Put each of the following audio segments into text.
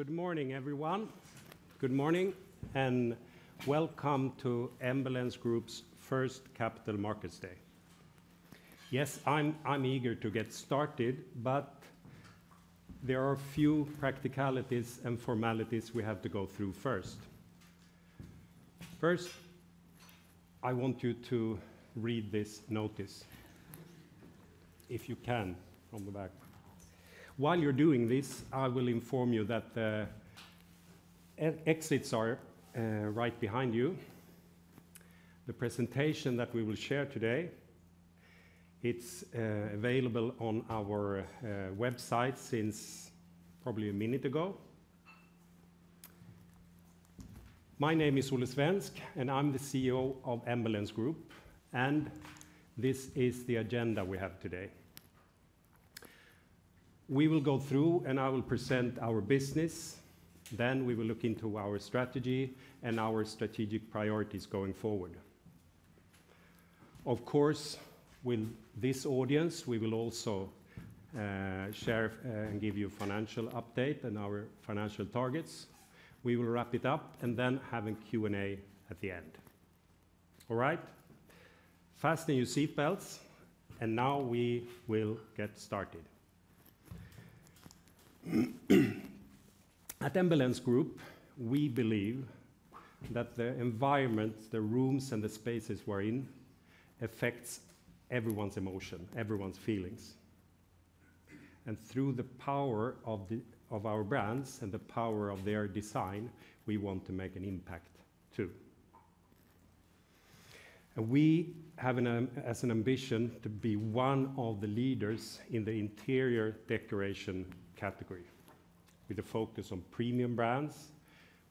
Good morning, everyone. Good morning, and welcome to Embellence Group's first Capital Markets Day. Yes, I'm eager to get started, but there are a few practicalities and formalities we have to go through first. First, I want you to read this notice, if you can, on the back. While you're doing this, I will inform you that exits are right behind you. The presentation that we will share today, it's available on our website since probably a minute ago. My name is Olle Svensk, and I'm the CEO of Embellence Group, and this is the agenda we have today. We will go through, and I will present our business. Then we will look into our strategy and our strategic priorities going forward. Of course, with this audience, we will also share and give you financial update and our financial targets. We will wrap it up and then have a Q&A at the end. All right. Fasten your seatbelts, and now we will get started. At Embellence Group, we believe that the environment, the rooms, and the spaces we're in, affects everyone's emotion, everyone's feelings. Through the power of our brands and the power of their design, we want to make an impact, too. We have an ambition to be one of the leaders in the interior decoration category, with a focus on premium brands,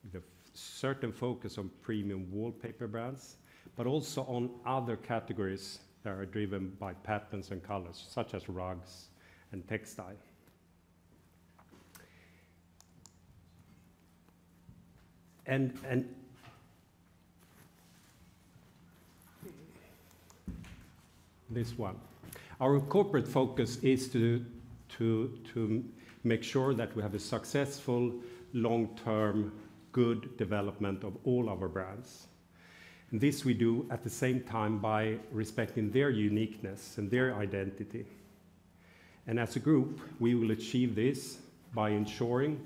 with a certain focus on premium wallpaper brands, but also on other categories that are driven by patterns and colors, such as rugs and textile. This one. Our corporate focus is to make sure that we have a successful, long-term, good development of all our brands. And this we do at the same time by respecting their uniqueness and their identity. And as a group, we will achieve this by ensuring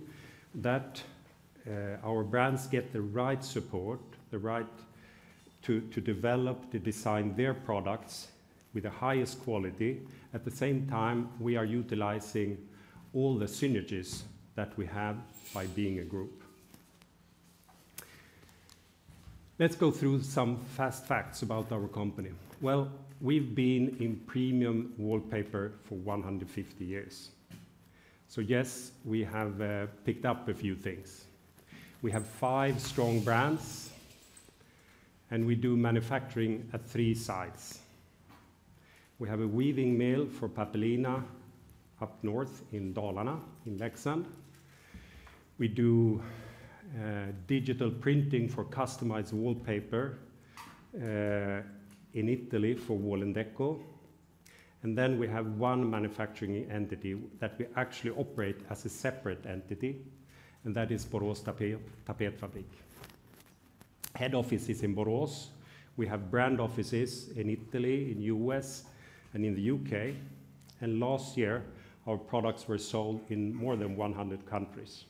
that, our brands get the right support, the right to, to develop, to design their products with the highest quality. At the same time, we are utilizing all the synergies that we have by being a group. Let's go through some fast facts about our company. Well, we've been in premium wallpaper for 150 years. So yes, we have, picked up a few things. We have five strong brands, and we do manufacturing at three sites. We have a weaving mill for Pappelina, up north in Dalarna, in Leksand. We do, digital printing for customized wallpaper, in Italy for Wall&decò. Then we have one manufacturing entity that we actually operate as a separate entity, and that is Borås Tapetfabrik. Head office is in Borås. We have brand offices in Italy, in U.S., and in the U.K. And last year, our products were sold in more than 100 countries,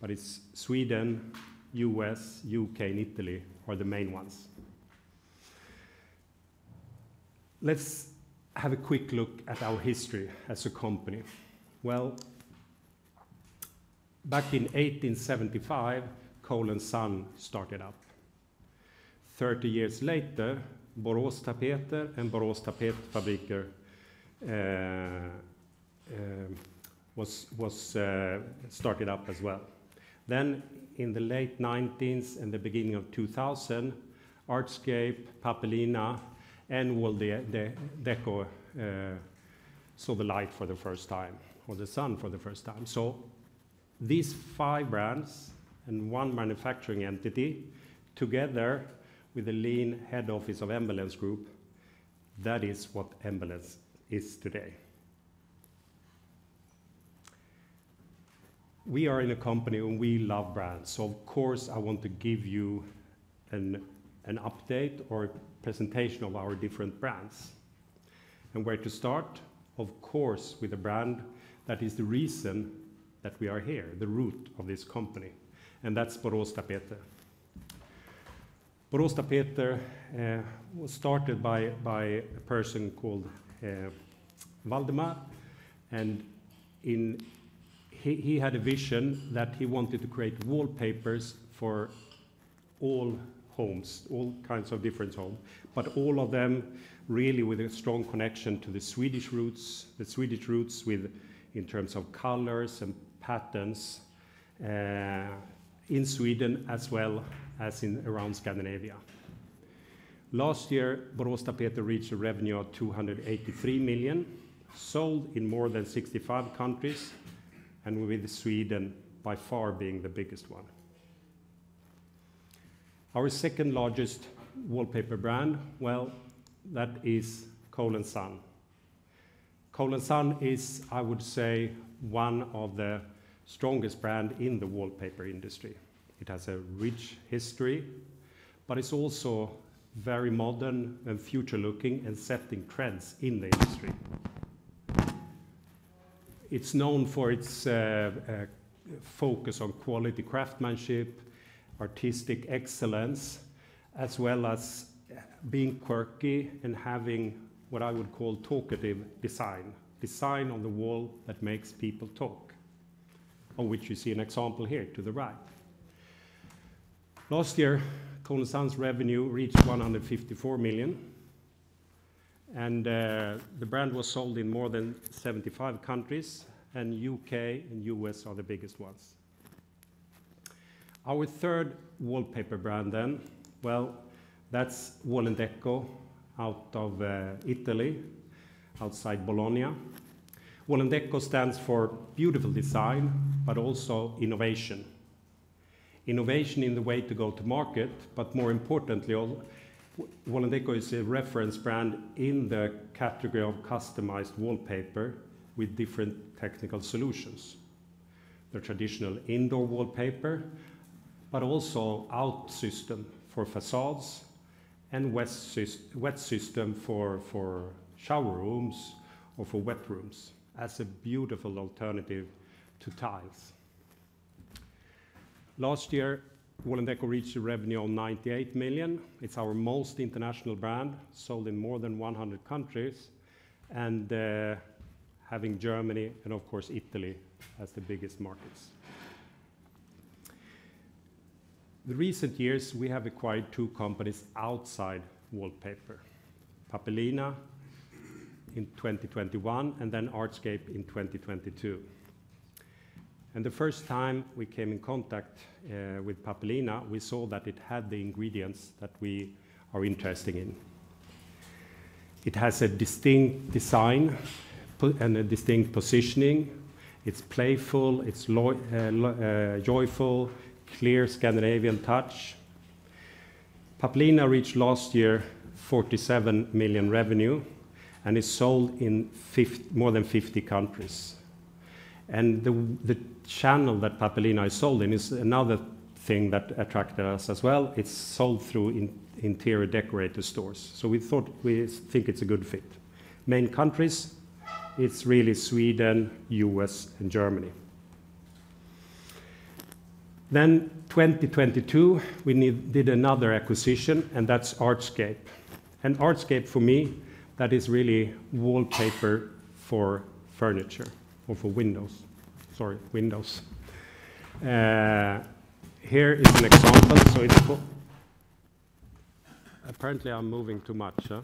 but it's Sweden, U.S., U.K., and Italy are the main ones. Let's have a quick look at our history as a company. Well, back in 1875, Cole & Son started up. 30 years later, Boråstapeter and Borås Tapetfabrik was started up as well. Then, in the late nineteenth and the beginning of 2000, Artscape, Pappelina, and Wall&decò saw the light for the first time, or the sun for the first time. So these five brands and one manufacturing entity, together with the lean head office of Embellence Group, that is what Embellence is today. We are in a company, and we love brands, so of course, I want to give you an update or presentation of our different brands. Where to start? Of course, with a brand that is the reason that we are here, the root of this company, and that's Boråstapeter. Boråstapeter was started by a person called Waldemar, and he had a vision that he wanted to create wallpapers for all homes, all kinds of different home, but all of them really with a strong connection to the Swedish roots, the Swedish roots with, in terms of colors and patterns, in Sweden as well as around Scandinavia. Last year, Boråstapeter reached a revenue of 283 million, sold in more than 65 countries, and with Sweden by far being the biggest one. Our second largest wallpaper brand, well, that is Cole & Son. Cole & Son is, I would say, one of the strongest brand in the wallpaper industry. It has a rich history, but it's also very modern and future-looking and setting trends in the industry. It's known for its focus on quality, craftsmanship, artistic excellence, as well as being quirky and having what I would call talkative design, design on the wall that makes people talk, of which you see an example here to the right. Last year, Cole & Son's revenue reached 154 million, and the brand was sold in more than 75 countries, and U.K. and U.S. are the biggest ones. Our third wallpaper brand, then, well, that's Wall&decò out of Italy, outside Bologna. Wall&decò stands for beautiful design, but also innovation. Innovation in the way to go to market, but more importantly, Wall&decò is a reference brand in the category of customized wallpaper with different technical solutions. The traditional indoor wallpaper, but also our system for facades and wet system for shower rooms or for wet rooms as a beautiful alternative to tiles. Last year, Wall&decò reached revenue of 98 million. It's our most international brand, sold in more than 100 countries, and having Germany and of course, Italy, as the biggest markets. The recent years, we have acquired two companies outside wallpaper: Pappelina in 2021 and then Artscape in 2022. And the first time we came in contact with Pappelina, we saw that it had the ingredients that we are interested in. It has a distinct design and a distinct positioning. It's playful, it's joyful, clear Scandinavian touch. Pappelina reached last year, 47 million revenue and is sold in more than 50 countries. And the channel that Pappelina is sold in is another thing that attracted us as well. It's sold through interior decorator stores, so we thought—we think it's a good fit. Main countries, it's really Sweden, U.S., and Germany. Then 2022, we did another acquisition, and that's Artscape. And Artscape, for me, that is really wallpaper for furniture or for windows. Sorry, windows. Here is an example. So it's apparently, I'm moving too much, huh?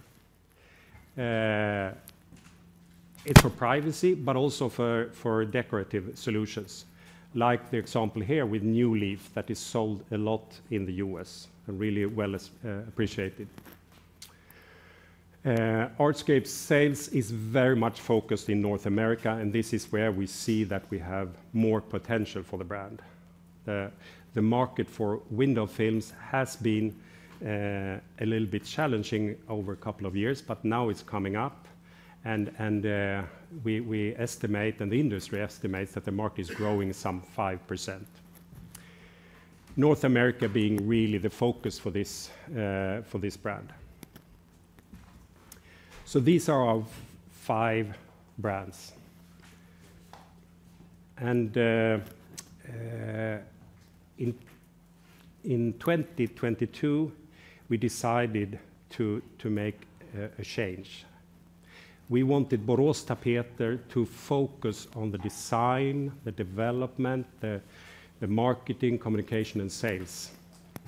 It's for privacy, but also for decorative solutions, like the example here with New Leaf that is sold a lot in the U.S. and really well appreciated. Artscape sales is very much focused in North America, and this is where we see that we have more potential for the brand. The market for window films has been a little bit challenging over a couple of years, but now it's coming up, and we estimate, and the industry estimates that the market is growing some 5%. North America being really the focus for this brand. So these are our five brands. In 2022, we decided to make a change. We wanted Boråstapeter to focus on the design, the development, the marketing, communication, and sales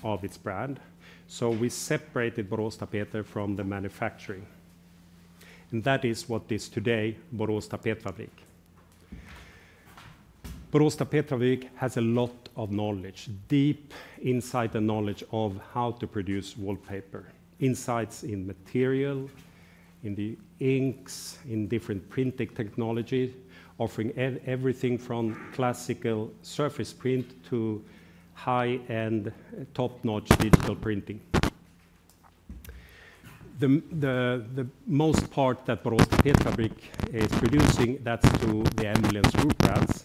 of its brand, so we separated Boråstapeter from the manufacturing. That is what is today, Borås Tapetfabrik. Borås Tapetfabrik has a lot of knowledge, deep insight and knowledge of how to produce wallpaper, insights in material, in the inks, in different printing technology, offering everything from classical surface print to high-end, top-notch digital printing. The most part that Borås Tapetfabrik is producing, that's through the Embellence Group brands,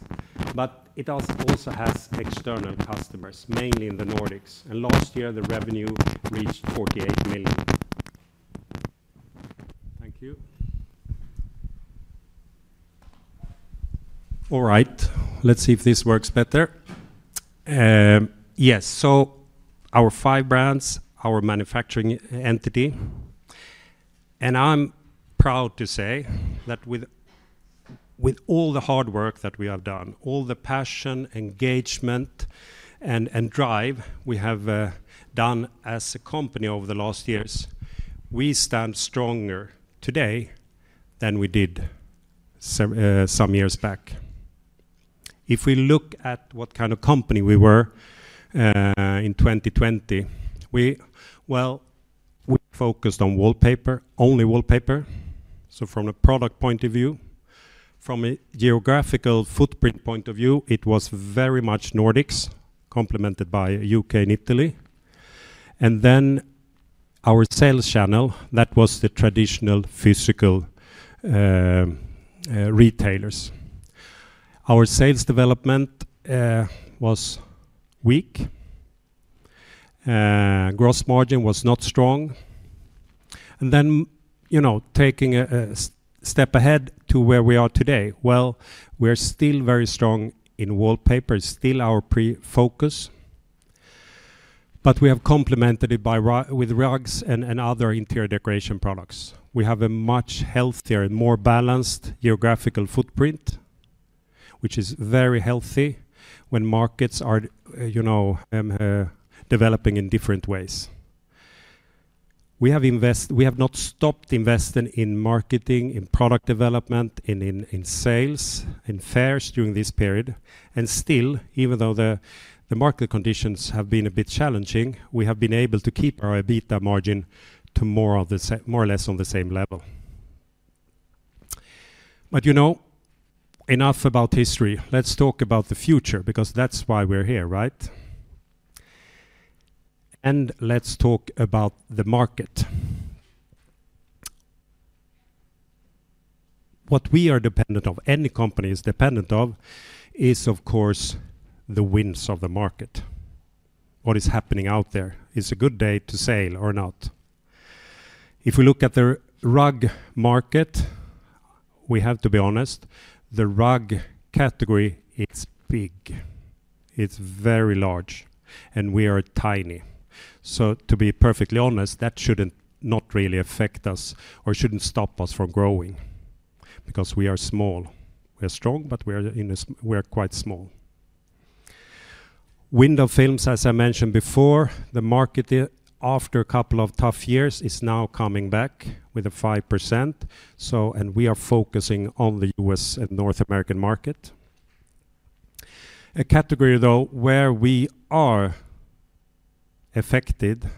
but it also has external customers, mainly in the Nordics. Last year, the revenue reached 48 million. Thank you. All right, let's see if this works better. Yes, so our five brands, our manufacturing entity, and I'm proud to say that with, with all the hard work that we have done, all the passion, engagement, and, and drive we have done as a company over the last years, we stand stronger today than we did some years back. If we look at what kind of company we were in 2020, we focused on wallpaper, only wallpaper. So from a product point of view, from a geographical footprint point of view, it was very much Nordics, complemented by U.K. and Italy. And then our sales channel, that was the traditional physical retailers. Our sales development was weak, gross margin was not strong. Then, you know, taking a step ahead to where we are today, well, we're still very strong in wallpaper, it's still our primary focus, but we have complemented it with rugs and other interior decoration products. We have a much healthier and more balanced geographical footprint, which is very healthy when markets are, you know, developing in different ways. We have not stopped investing in marketing, in product development, in sales, in fairs during this period. Still, even though the market conditions have been a bit challenging, we have been able to keep our EBITDA margin more or less on the same level. But, you know, enough about history, let's talk about the future, because that's why we're here, right? Let's talk about the market. What we are dependent of, any company is dependent of, is, of course, the winds of the market. What is happening out there? It's a good day to sail or not. If we look at the rug market, we have to be honest, the rug category, it's big. It's very large, and we are tiny. So to be perfectly honest, that shouldn't not really affect us or shouldn't stop us from growing because we are small. We are strong, but we are quite small. Window films, as I mentioned before, the market, after a couple of tough years, is now coming back with a 5%, so, and we are focusing on the U.S. and North American market. A category, though, where we are affected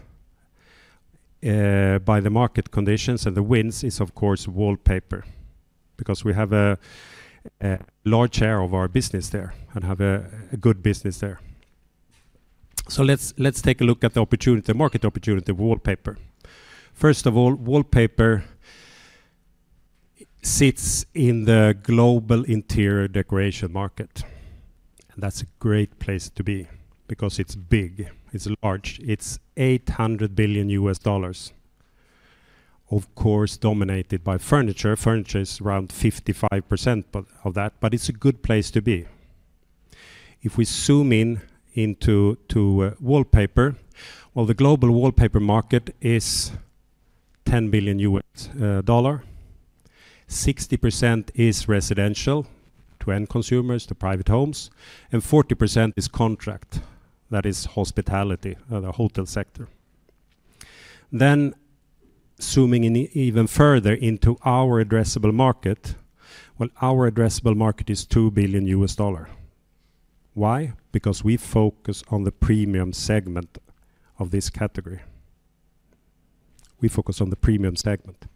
by the market conditions and the winds is, of course, wallpaper, because we have a large share of our business there and have a good business there. So let's take a look at the opportunity, market opportunity, wallpaper. First of all, wallpaper sits in the global interior decoration market, and that's a great place to be because it's big, it's large. It's $800 billion, of course, dominated by furniture. Furniture is around 55% but, of that, but it's a good place to be. If we zoom in into to wallpaper, well, the global wallpaper market is $10 billion. 60% is residential to end consumers, to private homes, and 40% is contract, that is hospitality, the hotel sector. Then zooming in even further into our addressable market, well, our addressable market is $2 billion. Why? Because we focus on the premium segment of this category. We focus on the premium segment.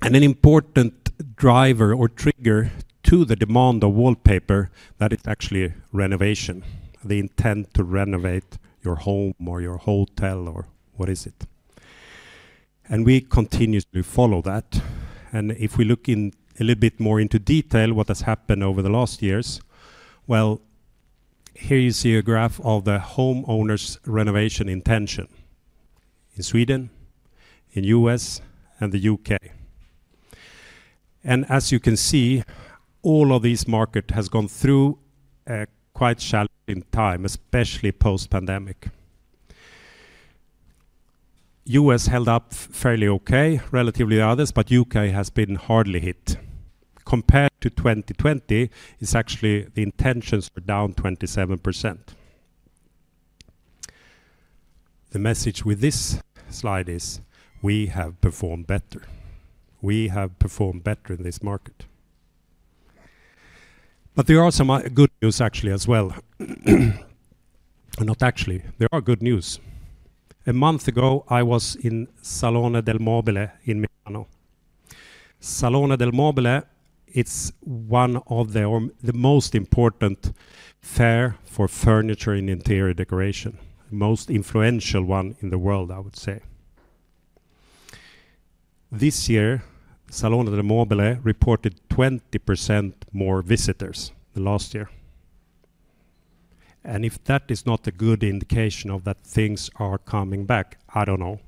And an important driver or trigger to the demand of wallpaper, that is actually renovation, the intent to renovate your home or your hotel or what is it? And we continuously follow that. And if we look in a little bit more into detail, what has happened over the last years, well, here you see a graph of the homeowner's renovation intention in Sweden, in U.S., and the U.K. And as you can see, all of these market has gone through a quite challenging time, especially post-pandemic. U.S. held up fairly okay, relatively others, but U.K. has been hardly hit. Compared to 2020, it's actually the intentions are down 27%. The message with this slide is we have performed better. We have performed better in this market. But there are some good news actually as well. Not actually, there are good news. A month ago, I was in Salone del Mobile in Milan. Salone del Mobile, it's one of the the most important fair for furniture and interior decoration, most influential one in the world, I would say. This year, Salone del Mobile reported 20% more visitors than last year. And if that is not a good indication of that things are coming back, I don't know.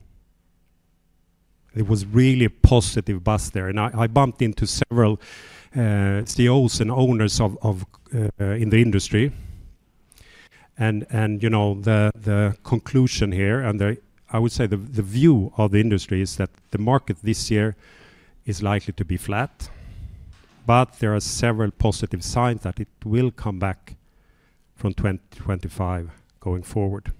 It was really a positive buzz there, and I bumped into several CEOs and owners of, of, in the industry. You know, the conclusion here, I would say the view of the industry is that the market this year is likely to be flat, but there are several positive signs that it will come back from 2025 going forward.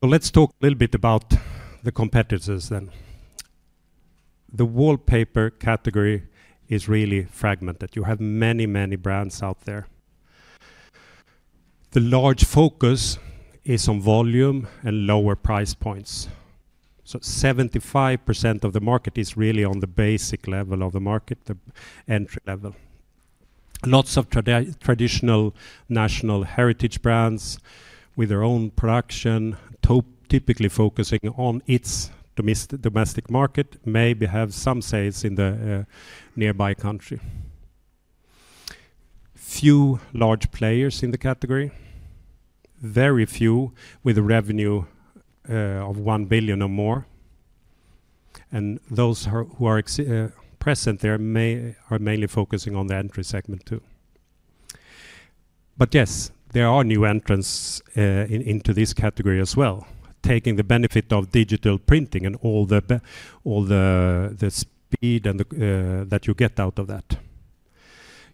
So let's talk a little bit about the competitors then. The wallpaper category is really fragmented. You have many, many brands out there. The large focus is on volume and lower price points. So 75% of the market is really on the basic level of the market, the entry level. Lots of traditional national heritage brands with their own production, typically focusing on its domestic market, maybe have some sales in the nearby country. Few large players in the category, very few with a revenue of 1 billion or more, and those who are, who are present there, maybe are mainly focusing on the entry segment, too. But yes, there are new entrants into this category as well, taking the benefit of digital printing and all the speed and the that you get out of that.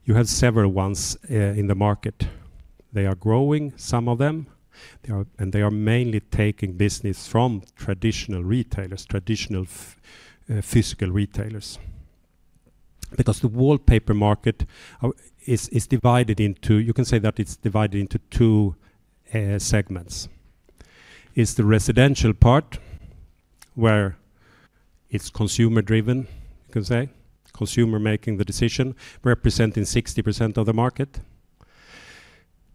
You have several ones in the market. They are growing, some of them. They are, and they are mainly taking business from traditional retailers, traditional physical retailers. Because the wallpaper market is divided into... You can say that it's divided into two segments. It's the residential part, where it's consumer-driven, you can say, consumer making the decision, representing 60% of the market.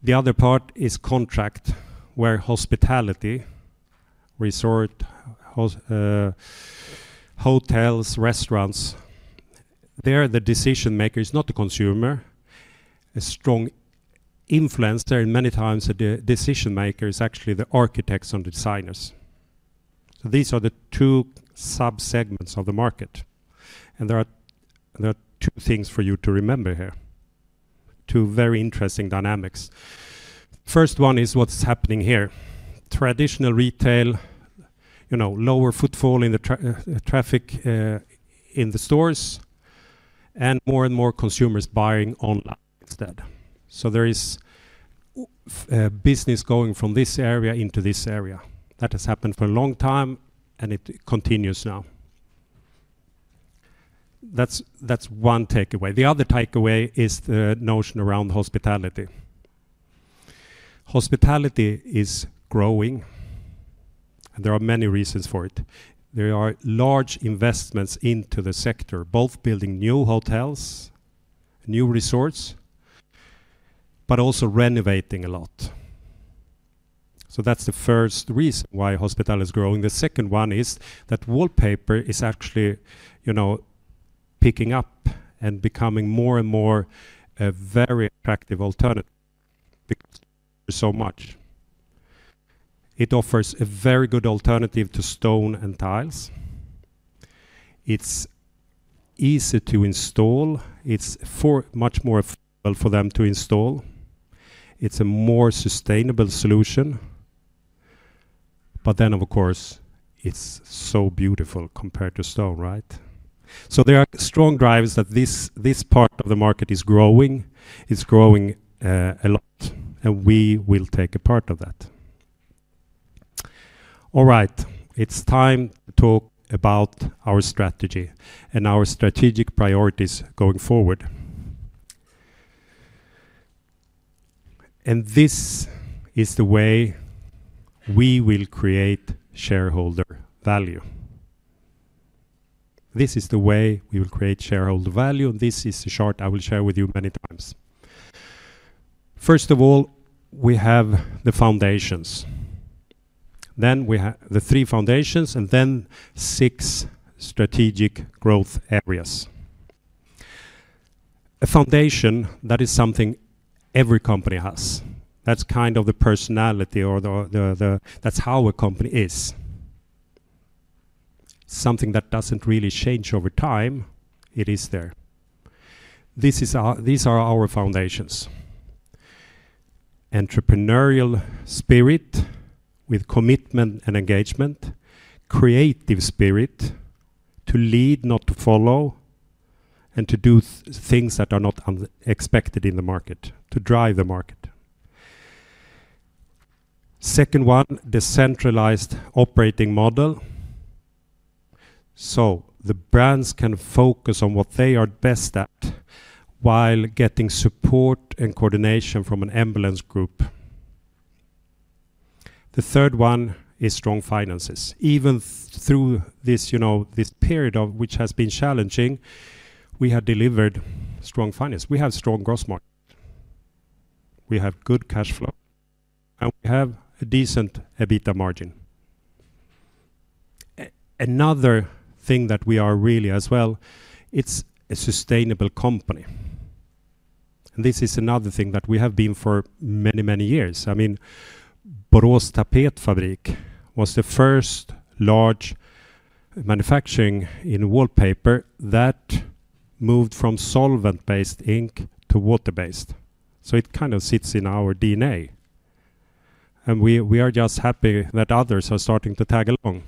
The other part is contract, where hospitality, resort, hotels, restaurants, there, the decision maker is not the consumer. A strong influence there, and many times, the decision maker is actually the architects and designers. So these are the two sub-segments of the market, and there are, there are two things for you to remember here, two very interesting dynamics. First one is what's happening here. Traditional retail, you know, lower footfall in the traffic in the stores, and more and more consumers buying online instead. So there is business going from this area into this area. That has happened for a long time, and it continues now. That's, that's one takeaway. The other takeaway is the notion around hospitality. Hospitality is growing, and there are many reasons for it. There are large investments into the sector, both building new hotels, new resorts, but also renovating a lot. So that's the first reason why hospitality is growing. The second one is that wallpaper is actually, you know, picking up and becoming more and more a very attractive alternative because so much. It offers a very good alternative to stone and tiles. It's easy to install. It's far more affordable for them to install. It's a more sustainable solution, but then, of course, it's so beautiful compared to stone, right? So there are strong drivers that this, this part of the market is growing. It's growing a lot, and we will take a part of that. All right, it's time to talk about our strategy and our strategic priorities going forward. And this is the way we will create shareholder value. This is the way we will create shareholder value, and this is the chart I will share with you many times. First of all, we have the foundations. Then we have the three foundations, and then six strategic growth areas. A foundation, that is something every company has. That's kind of the personality or the. That's how a company is. Something that doesn't really change over time. It is there. These are our foundations: entrepreneurial spirit with commitment and engagement, creative spirit to lead, not to follow, and to do things that are not unexpected in the market, to drive the market. The second one, the centralized operating model, so the brands can focus on what they are best at while getting support and coordination from Embellence Group. The third one is strong finances. Even through this, you know, this period of which has been challenging, we have delivered strong finance. We have strong gross margin. We have good cash flow, and we have a decent EBITDA margin. Another thing that we are really as well, it's a sustainable company, and this is another thing that we have been for many, many years. I mean, Borås Tapetfabrik was the first large manufacturing in wallpaper that moved from solvent-based ink to water-based. So it kind of sits in our DNA, and we are just happy that others are starting to tag along,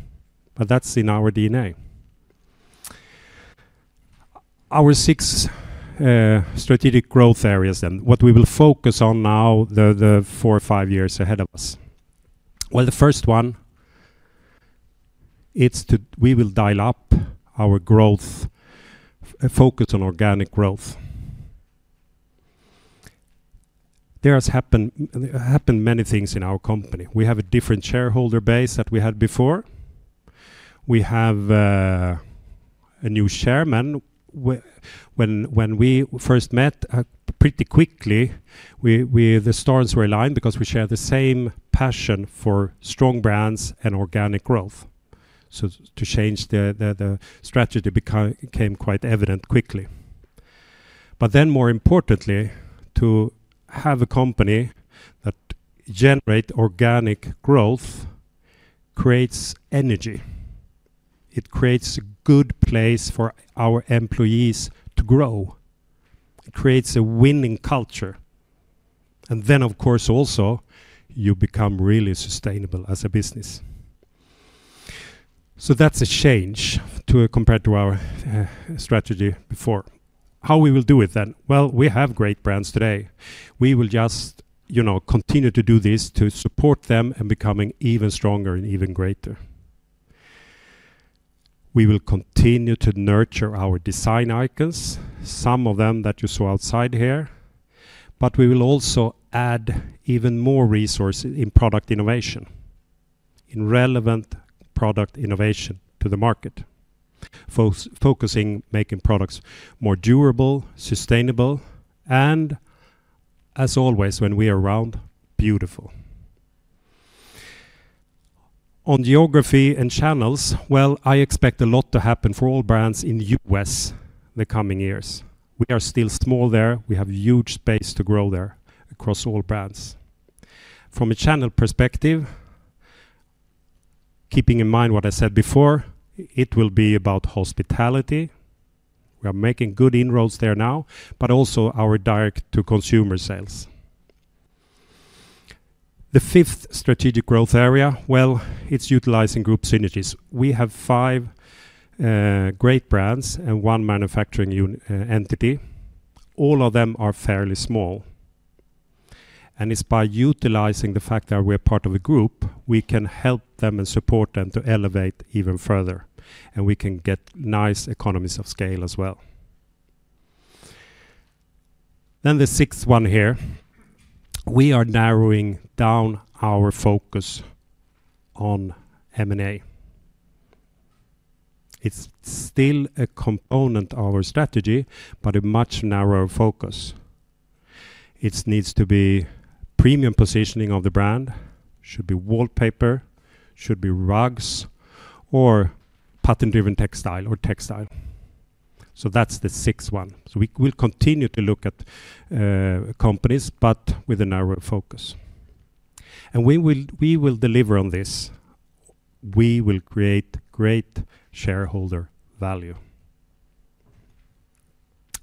but that's in our DNA. Our six strategic growth areas, then what we will focus on now, the four or five years ahead of us. Well, the first one, it's to, we will dial up our growth, focus on organic growth. There has happened many things in our company. We have a different shareholder base than we had before. We have a new chairman. When we first met, pretty quickly, the stars were aligned because we share the same passion for strong brands and organic growth. So to change the strategy became quite evident quickly. But then, more importantly, to have a company that generate organic growth creates energy. It creates a good place for our employees to grow. It creates a winning culture, and then, of course, also, you become really sustainable as a business. So that's a change to, compared to our strategy before. How we will do it then? Well, we have great brands today. We will just, you know, continue to do this, to support them in becoming even stronger and even greater. We will continue to nurture our design icons, some of them that you saw outside here, but we will also add even more resource in product innovation, in relevant product innovation to the market, focusing making products more durable, sustainable, and as always, when we are around, beautiful. On geography and channels, well, I expect a lot to happen for all brands in the U.S. the coming years. We are still small there. We have huge space to grow there across all brands. From a channel perspective, keeping in mind what I said before, it will be about hospitality. We are making good inroads there now, but also our direct-to-consumer sales. The fifth strategic growth area, well, it's utilizing group synergies. We have five great brands and one manufacturing entity. All of them are fairly small, and it's by utilizing the fact that we're part of a group, we can help them and support them to elevate even further, and we can get nice economies of scale as well. Then the sixth one here, we are narrowing down our focus on M&A. It's still a component of our strategy, but a much narrower focus. It needs to be premium positioning of the brand, should be wallpaper, should be rugs or pattern-driven textile or textile. So that's the sixth one. So we, we'll continue to look at, companies, but with a narrower focus. And we will, we will deliver on this. We will create great shareholder value.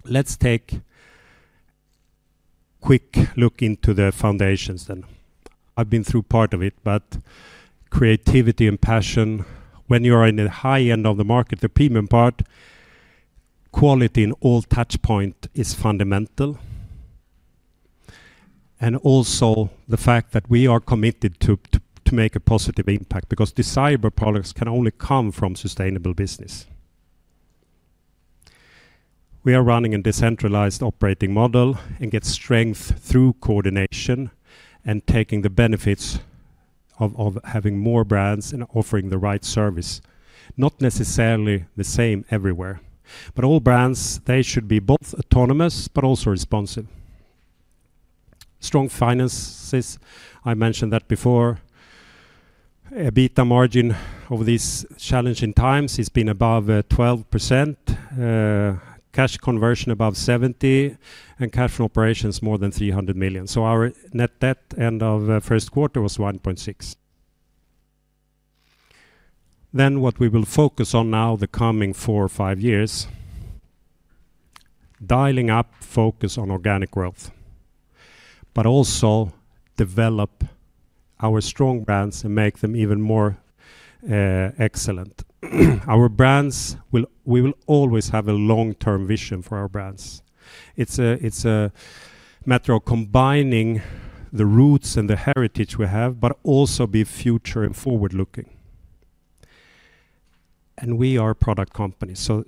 Let's take quick look into the foundations then. I've been through part of it, but creativity and passion, when you are in the high end of the market, the premium part, quality in all touch point is fundamental, and also the fact that we are committed to make a positive impact, because desirable products can only come from sustainable business. We are running a decentralized operating model and get strength through coordination and taking the benefits of having more brands and offering the right service, not necessarily the same everywhere. But all brands, they should be both autonomous but also responsive. Strong finances, I mentioned that before. EBITDA margin over these challenging times has been above 12%, cash conversion above 70, and cash from operations more than 300 million. So our net debt end of first quarter was 1.6 billion. Then, what we will focus on now, the coming four or five years, dialing up focus on organic growth, but also develop our strong brands and make them even more, excellent. Our brands we will always have a long-term vision for our brands. It's a matter of combining the roots and the heritage we have, but also be future and forward-looking. And we are a product company, so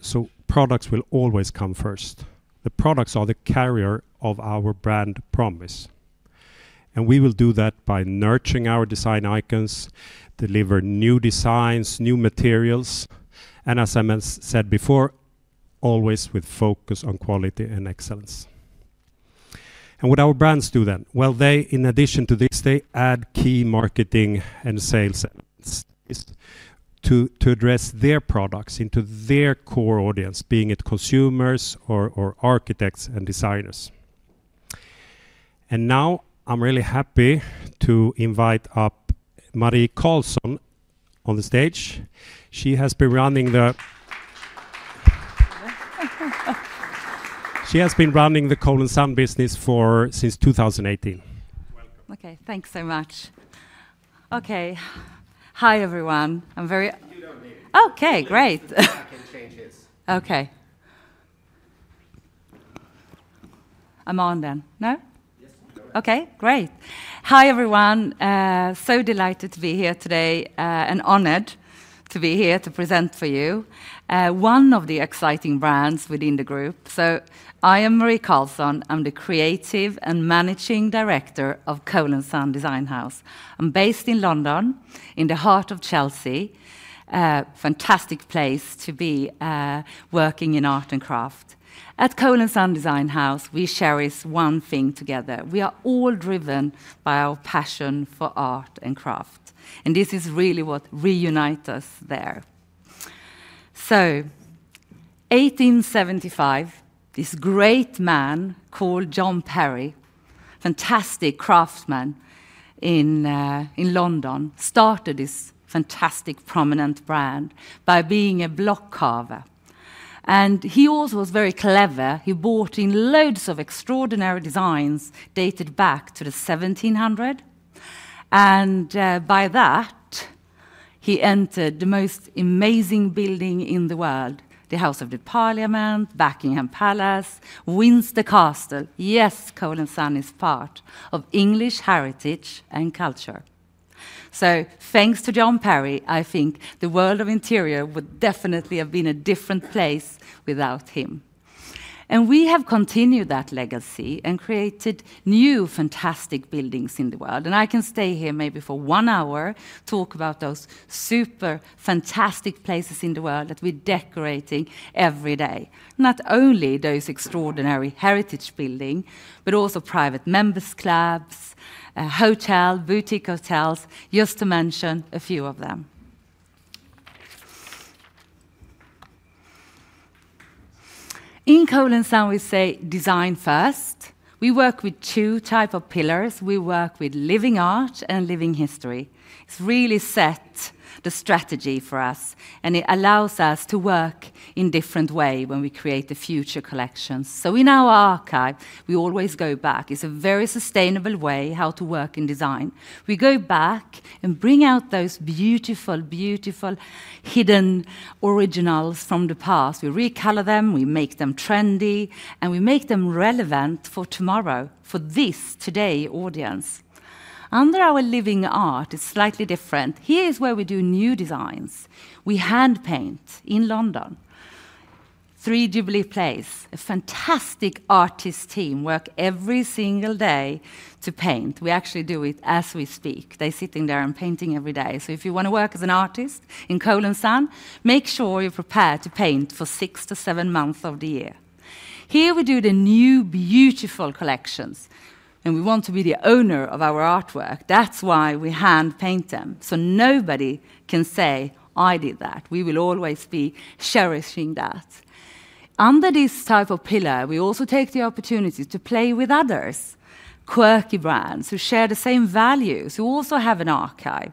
products will always come first. The products are the carrier of our brand promise, and we will do that by nurturing our design icons, deliver new designs, new materials, and as I said before, always with focus on quality and excellence. And what our brands do then? Well, they, in addition to this, add key marketing and sales... to address their products into their core audience, being it consumers or architects and designers. And now, I'm really happy to invite up Marie Karlsson on the stage. She has been running the Cole & Son business for since 2018. Welcome. Okay, thanks so much. Okay. Hi, everyone. You don't need it. Okay, great. I can change this. Okay. I'm on then. No? Yes, you're on. Okay, great. Hi, everyone. So delighted to be here today, and honored to be here to present for you one of the exciting brands within the group. So I am Marie Karlsson. I'm the creative and managing director of Cole & Son Design House. I'm based in London, in the heart of Chelsea, a fantastic place to be, working in art and craft. At Cole & Son Design House, we cherish one thing together. We are all driven by our passion for art and craft, and this is really what reunite us there. So 1875, this great man called John Perry, fantastic craftsman in London, started this fantastic, prominent brand by being a block carver. He also was very clever. He bought in loads of extraordinary designs dated back to the 1700s, and by that, he entered the most amazing building in the world, the Houses of Parliament, Buckingham Palace, Windsor Castle. Yes, Cole & Son is part of English heritage and culture. So thanks to John Perry, I think the world of interior would definitely have been a different place without him. And we have continued that legacy and created new, fantastic buildings in the world, and I can stay here maybe for one hour, talk about those super fantastic places in the world that we're decorating every day. Not only those extraordinary heritage building, but also private members clubs, hotel, boutique hotels, just to mention a few of them. In Cole & Son, we say, "Design first." We work with two type of pillars. We work with living art and living history. It's really set the strategy for us, and it allows us to work in different way when we create the future collections. So in our archive, we always go back. It's a very sustainable way how to work in design. We go back and bring out those beautiful, beautiful, hidden originals from the past. We recolor them, we make them trendy, and we make them relevant for tomorrow, for this today audience. Under our living art, it's slightly different. Here is where we do new designs. We hand-paint in London, 3 Jubilee Place, a fantastic artist team work every single day to paint. We actually do it as we speak. They're sitting there and painting every day. So if you want to work as an artist in Cole & Son, make sure you're prepared to paint for six to seven months of the year. Here we do the new, beautiful collections, and we want to be the owner of our artwork. That's why we hand-paint them, so nobody can say, "I did that." We will always be cherishing that. Under this type of pillar, we also take the opportunity to play with others, quirky brands who share the same values, who also have an archive,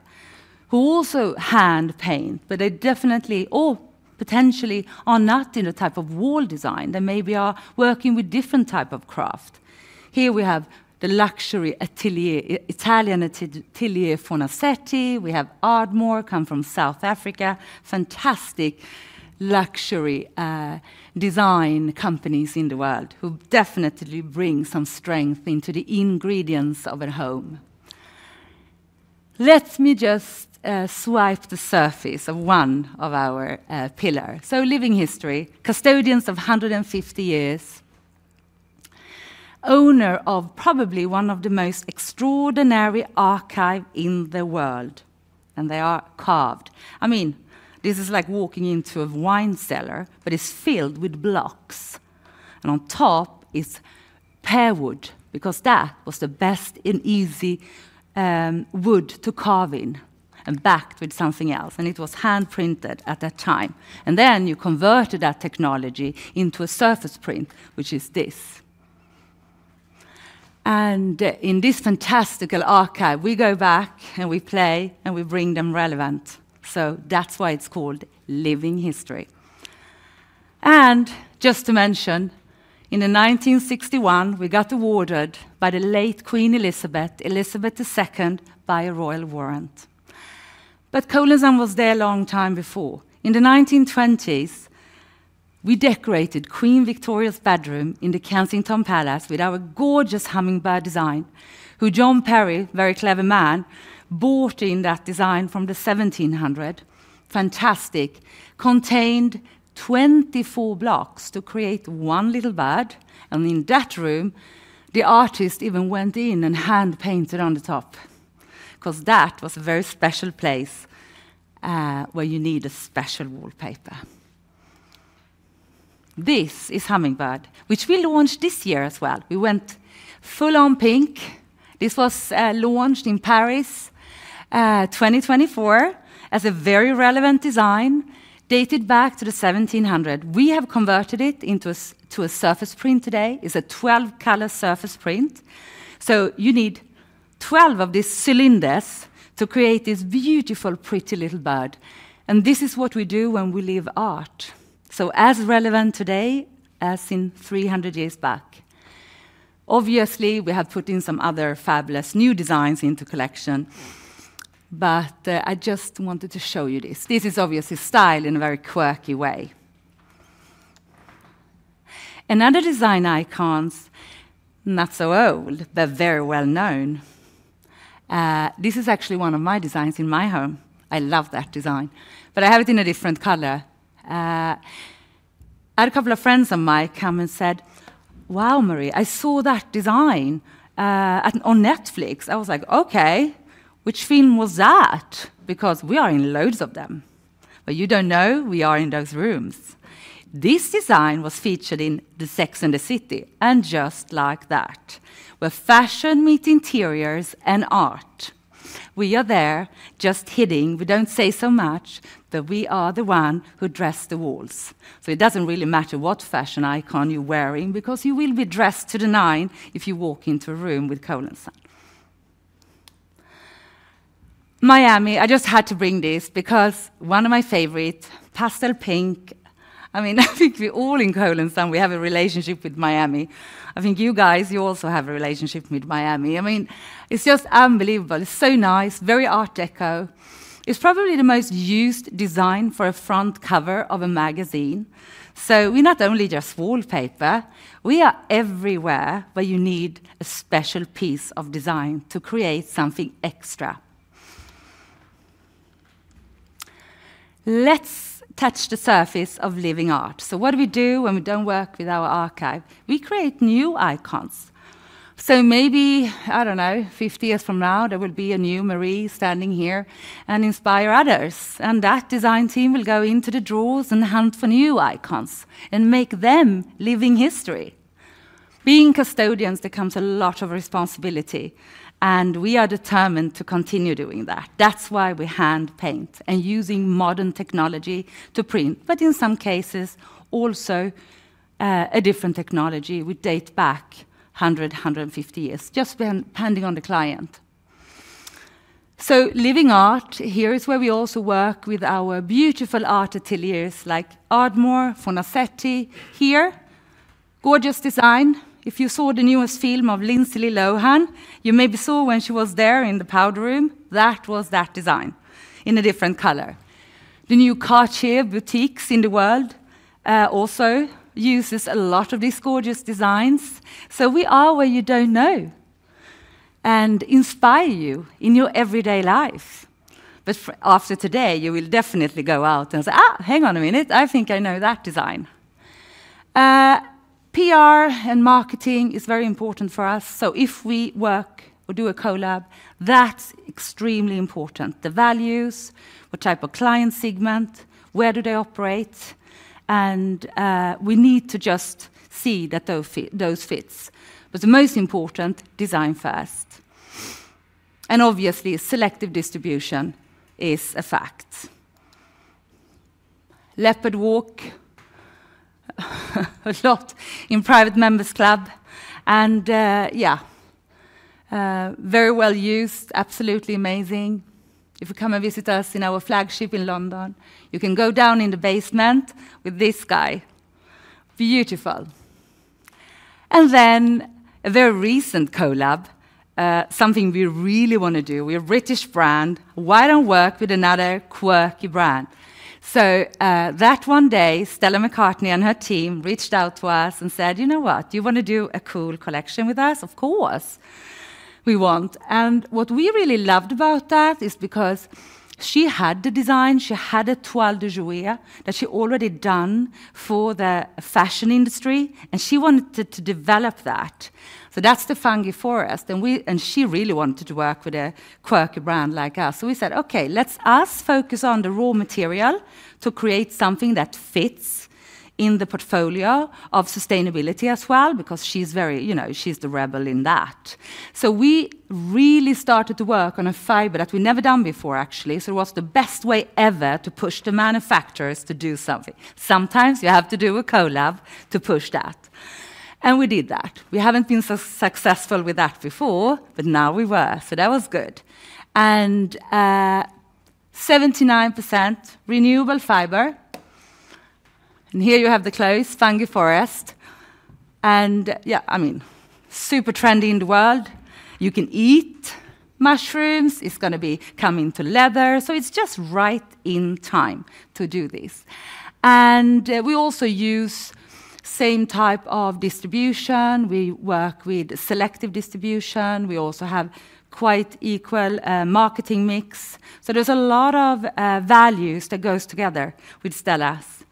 who also hand-paint, but they definitely or potentially are not in a type of wall design. They maybe are working with different type of craft. Here we have the luxury atelier, Italian atelier, Fornasetti. We have Ardmore, come from South Africa. Fantastic luxury, design companies in the world, who definitely bring some strength into the ingredients of a home. Let me just swipe the surface of one of our pillar. So living history, custodians of 150 years, owner of probably one of the most extraordinary archive in the world, and they are carved. I mean, this is like walking into a wine cellar, but it's filled with blocks, and on top is pear wood, because that was the best and easy wood to carve in and backed with something else, and it was hand-printed at that time. And then you converted that technology into a surface print, which is this. And in this fantastical archive, we go back, and we play, and we bring them relevant, so that's why it's called living history. Just to mention, in 1961, we got awarded by the late Queen Elizabeth II by a royal warrant. But Cole & Son was there a long time before. In the 1920s, we decorated Queen Victoria's bedroom in the Kensington Palace with our gorgeous Hummingbirds design, which John Perry, very clever man, bought, that design from the 1700s. Fantastic. It contained 24 blocks to create one little bird, and in that room, the artist even went in and hand-painted on the top, 'cause that was a very special place, where you need a special wallpaper. This is Hummingbirds, which we launched this year as well. We went full-on pink. This was launched in Paris, 2024, as a very relevant design, dated back to the 1700s. We have converted it into a surface print today. It's a 12-color surface print, so you need 12 of these cylinders to create this beautiful, pretty little bird. This is what we do when we live art, so as relevant today as in 300 years back. Obviously, we have put in some other fabulous new designs into collection, but I just wanted to show you this. This is obviously style in a very quirky way. Another design icons, not so old, but very well known. This is actually one of my designs in my home. I love that design, but I have it in a different color. I had a couple of friends of mine come and said: "Wow, Marie, I saw that design on Netflix." I was like: "Okay, which film was that?" Because we are in loads of them, but you don't know we are in those rooms. This design was featured in the Sex and the City, and just like that, where fashion meet interiors and art. We are there just hiding. We don't say so much, but we are the one who dress the walls. So it doesn't really matter what fashion icon you're wearing, because you will be dressed to the nines if you walk into a room with Cole & Son. Miami, I just had to bring this because one of my favorite, pastel pink. I mean, I think we all in Cole & Son, we have a relationship with Miami. I think you guys, you also have a relationship with Miami. I mean, it's just unbelievable. It's so nice, very Art Deco. It's probably the most used design for a front cover of a magazine. So we're not only just wallpaper, we are everywhere, where you need a special piece of design to create something extra. Let's touch the surface of living art. So what do we do when we don't work with our archive? We create new icons. So maybe, I don't know, 50 years from now, there will be a new Marie standing here and inspire others, and that design team will go into the drawers and hunt for new icons and make them living history. Being custodians, there comes a lot of responsibility, and we are determined to continue doing that. That's why we hand paint and using modern technology to print, but in some cases, also, a different technology would date back 100, 150 years, just depending on the client. So living art, here is where we also work with our beautiful art ateliers like Ardmore, Fornasetti. Here, gorgeous design. If you saw the newest film of Lindsay Lohan, you maybe saw when she was there in the powder room. That was that design in a different color. The new Cartier boutiques in the world also uses a lot of these gorgeous designs. So we are where you don't know, and inspire you in your everyday life. But after today, you will definitely go out and say, "Ah, hang on a minute, I think I know that design." PR and marketing is very important for us. So if we work or do a collab, that's extremely important. The values, what type of client segment, where do they operate, and we need to just see that those fits. But the most important, design first. And obviously, selective distribution is a fact. Leopard Walk, a lot in private members club, and yeah, very well used, absolutely amazing. If you come and visit us in our flagship in London, you can go down in the basement with this guy. Beautiful. And then a very recent collab, something we really want to do. We're a British brand. Why don't work with another quirky brand? So, that one day, Stella McCartney and her team reached out to us and said: "You know what? Do you want to do a cool collection with us?" "Of course, we want." And what we really loved about that is because she had the design, she had a Toile de Jouy that she already done for the fashion industry, and she wanted to develop that. So that's the Fungi Forest, and she really wanted to work with a quirky brand like us. So we said: "Okay, let's us focus on the raw material to create something that fits in the portfolio of sustainability as well," because she's very, you know, she's the rebel in that. So we really started to work on a fiber that we never done before, actually. So it was the best way ever to push the manufacturers to do something. Sometimes you have to do a collab to push that, and we did that. We haven't been so successful with that before, but now we were, so that was good. And, 79% renewable fiber. And here you have the close, Fungi Forest. And, yeah, I mean, super trendy in the world. You can eat mushrooms. It's gonna be coming to leather, so it's just right in time to do this. And we also use same type of distribution. We work with selective distribution. We also have quite equal marketing mix. So there's a lot of values that goes together with Stella's,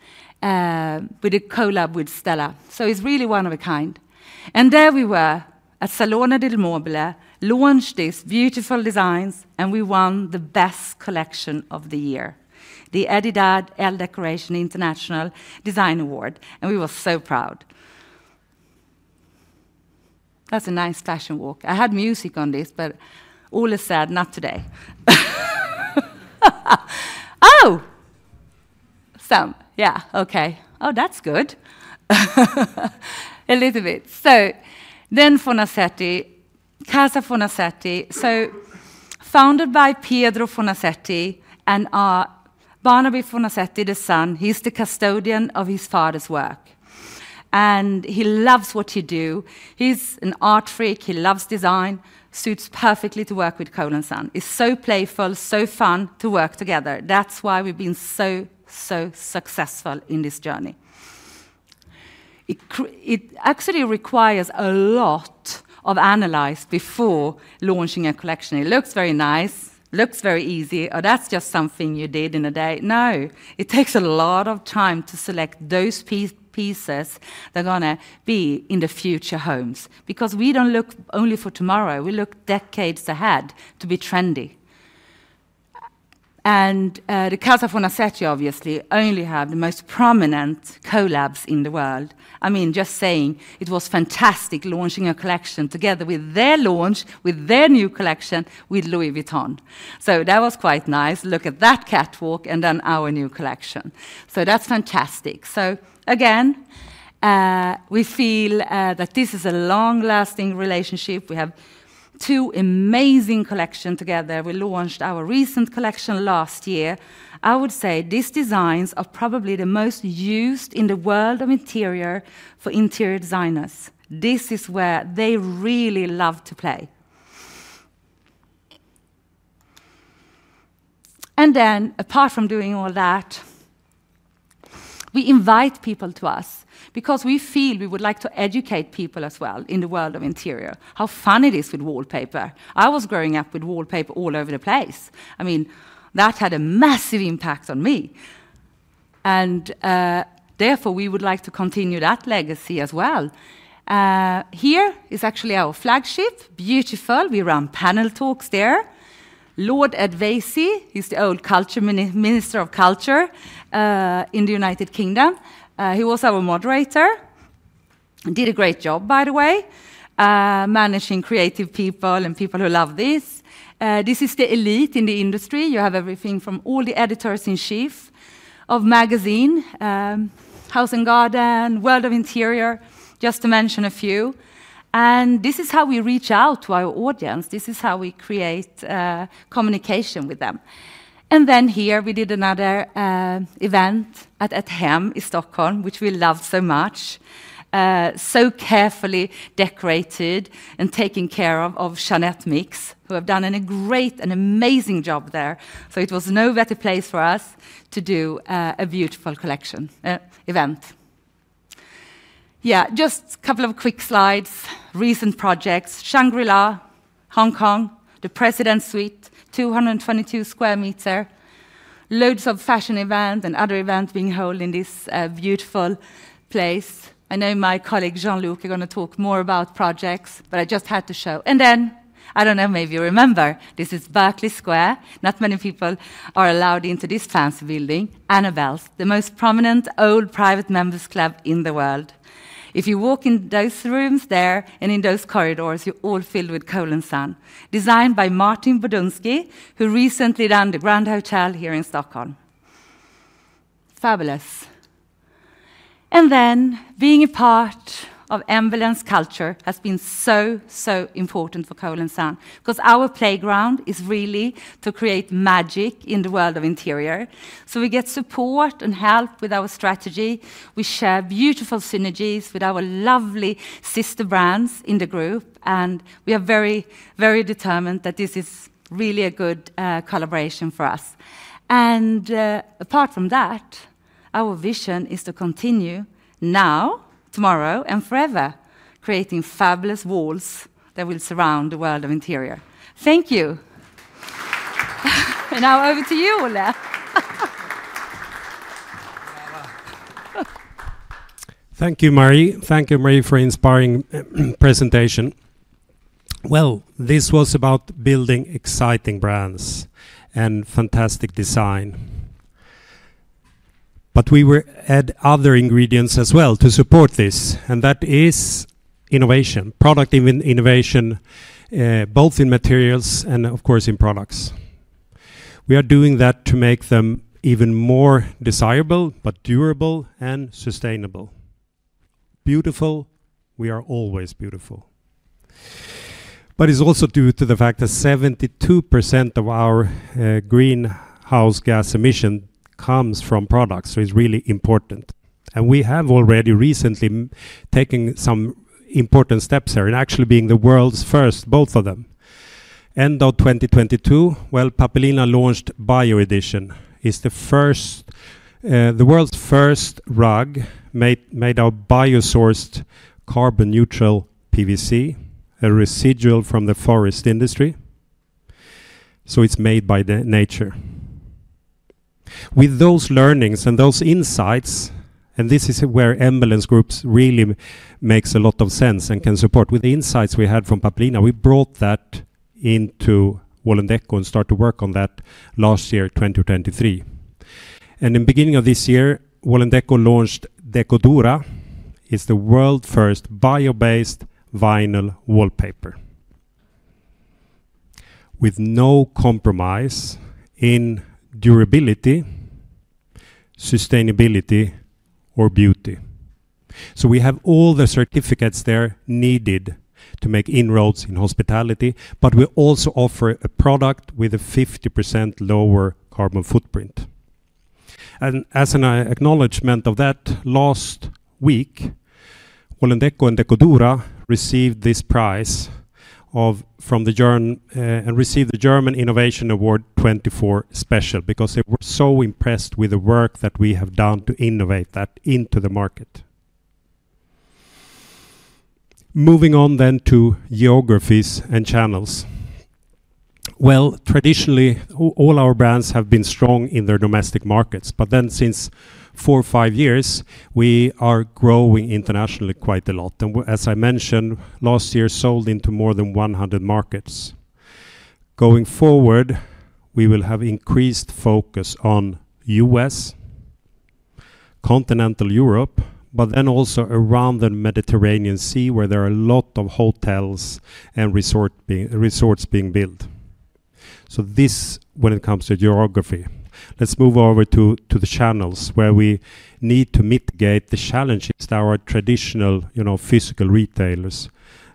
with a collab with Stella. So it's really one of a kind. And there we were, at Salone del Mobile, launched these beautiful designs, and we won the best collection of the year, the A' Design Award Elle Decoration International Design Award, and we were so proud. That's a nice fashion walk. I had music on this, but Olle said, "Not today." Oh! Some, yeah. Okay. Oh, that's good. A little bit. So then Fornasetti, Casa Fornasetti. So founded by Piero Fornasetti and, Barnaba Fornasetti, the son. He's the custodian of his father's work, and he loves what he do. He's an art freak, he loves design. Suits perfectly to work with Cole & Son. He's so playful, so fun to work together. That's why we've been so, so successful in this journey. It actually requires a lot of analysis before launching a collection. It looks very nice, looks very easy. "Oh, that's just something you did in a day." No, it takes a lot of time to select those pieces that are gonna be in the future homes, because we don't look only for tomorrow, we look decades ahead to be trendy. And the Casa Fornasetti obviously only have the most prominent collabs in the world. I mean, just saying, it was fantastic launching a collection together with their launch, with their new collection, with Louis Vuitton. So that was quite nice. Look at that catwalk and then our new collection. So that's fantastic. So again, we feel that this is a long-lasting relationship. We have two amazing collection together. We launched our recent collection last year. I would say these designs are probably the most used in the world of interior for interior designers. This is where they really love to play. And then, apart from doing all that, we invite people to us because we feel we would like to educate people as well in the world of interior, how fun it is with wallpaper. I was growing up with wallpaper all over the place. I mean, that had a massive impact on me, and therefore, we would like to continue that legacy as well. Here is actually our flagship. Beautiful. We run panel talks there. Lord Ed Vaizey, he's the former Minister of Culture in the United Kingdom. He was our moderator. Did a great job, by the way, managing creative people and people who love this. This is the elite in the industry. You have everything from all the editors-in-chief of magazine, House and Garden, World of Interior, just to mention a few. And this is how we reach out to our audience. This is how we create communication with them. And then here, we did another event at Ett Hem in Stockholm, which we loved so much. So carefully decorated and taken care of by Jeanette Mix, who have done a great and amazing job there. So it was no better place for us to do a beautiful collection event. Yeah, just a couple of quick slides, recent projects. Shangri-La, Hong Kong, the President's Suite, 222 square meters. Loads of fashion events and other events being held in this beautiful place. I know my colleague, Gianluca, is gonna talk more about projects, but I just had to show. And then, I don't know, maybe you remember, this is Berkeley Square. Not many people are allowed into this fancy building. Annabel's, the most prominent old private members club in the world. If you walk in those rooms there and in those corridors, you're all filled with Cole & Son, designed by Martin Brudnizki, who recently done the Grand Hôtel here in Stockholm. Fabulous. Being a part of Embellence Group has been so, so important for Cole & Son, 'cause our playground is really to create magic in the world of interior. So we get support and help with our strategy. We share beautiful synergies with our lovely sister brands in the group, and we are very, very determined that this is really a good collaboration for us. Apart from that, our vision is to continue now, tomorrow, and forever, creating fabulous walls that will surround the world of interior. Thank you. Now, over to you, Olle. Thank you, Marie. Thank you, Marie, for inspiring presentation. Well, this was about building exciting brands and fantastic design, but we add other ingredients as well to support this, and that is innovation, product innovation, both in materials and, of course, in products. We are doing that to make them even more desirable, but durable and sustainable. Beautiful, we are always beautiful. But it's also due to the fact that 72% of our greenhouse gas emission comes from products, so it's really important. And we have already recently taken some important steps here, and actually being the world's first, both of them. End of 2022, well, Pappelina launched Bio Edition. It's the first, the world's first rug made of biosourced carbon-neutral PVC, a residual from the forest industry. So it's made by the nature. With those learnings and those insights, and this is where Embellence Group really makes a lot of sense and can support. With the insights we had from Pappelina, we brought that into Wall&decò and start to work on that last year, 2023. In the beginning of this year, Wall&decò launched d.ecodura. It's the world's first bio-based vinyl wallpaper with no compromise in durability, sustainability, or beauty. So we have all the certificates there needed to make inroads in hospitality, but we also offer a product with a 50% lower carbon footprint. And as an acknowledgment of that, last week, Wall&decò and d.ecodura received this prize from the German and received the German Innovation Award 2024 Special, because they were so impressed with the work that we have done to innovate that into the market. Moving on then to geographies and channels. Well, traditionally, all our brands have been strong in their domestic markets, but then since four or five years, we are growing internationally quite a lot. And as I mentioned, last year, sold into more than 100 markets. Going forward, we will have increased focus on U.S., continental Europe, but then also around the Mediterranean Sea, where there are a lot of hotels and resorts being built. So this, when it comes to geography. Let's move over to the channels, where we need to mitigate the challenges that our traditional, you know, physical retailers,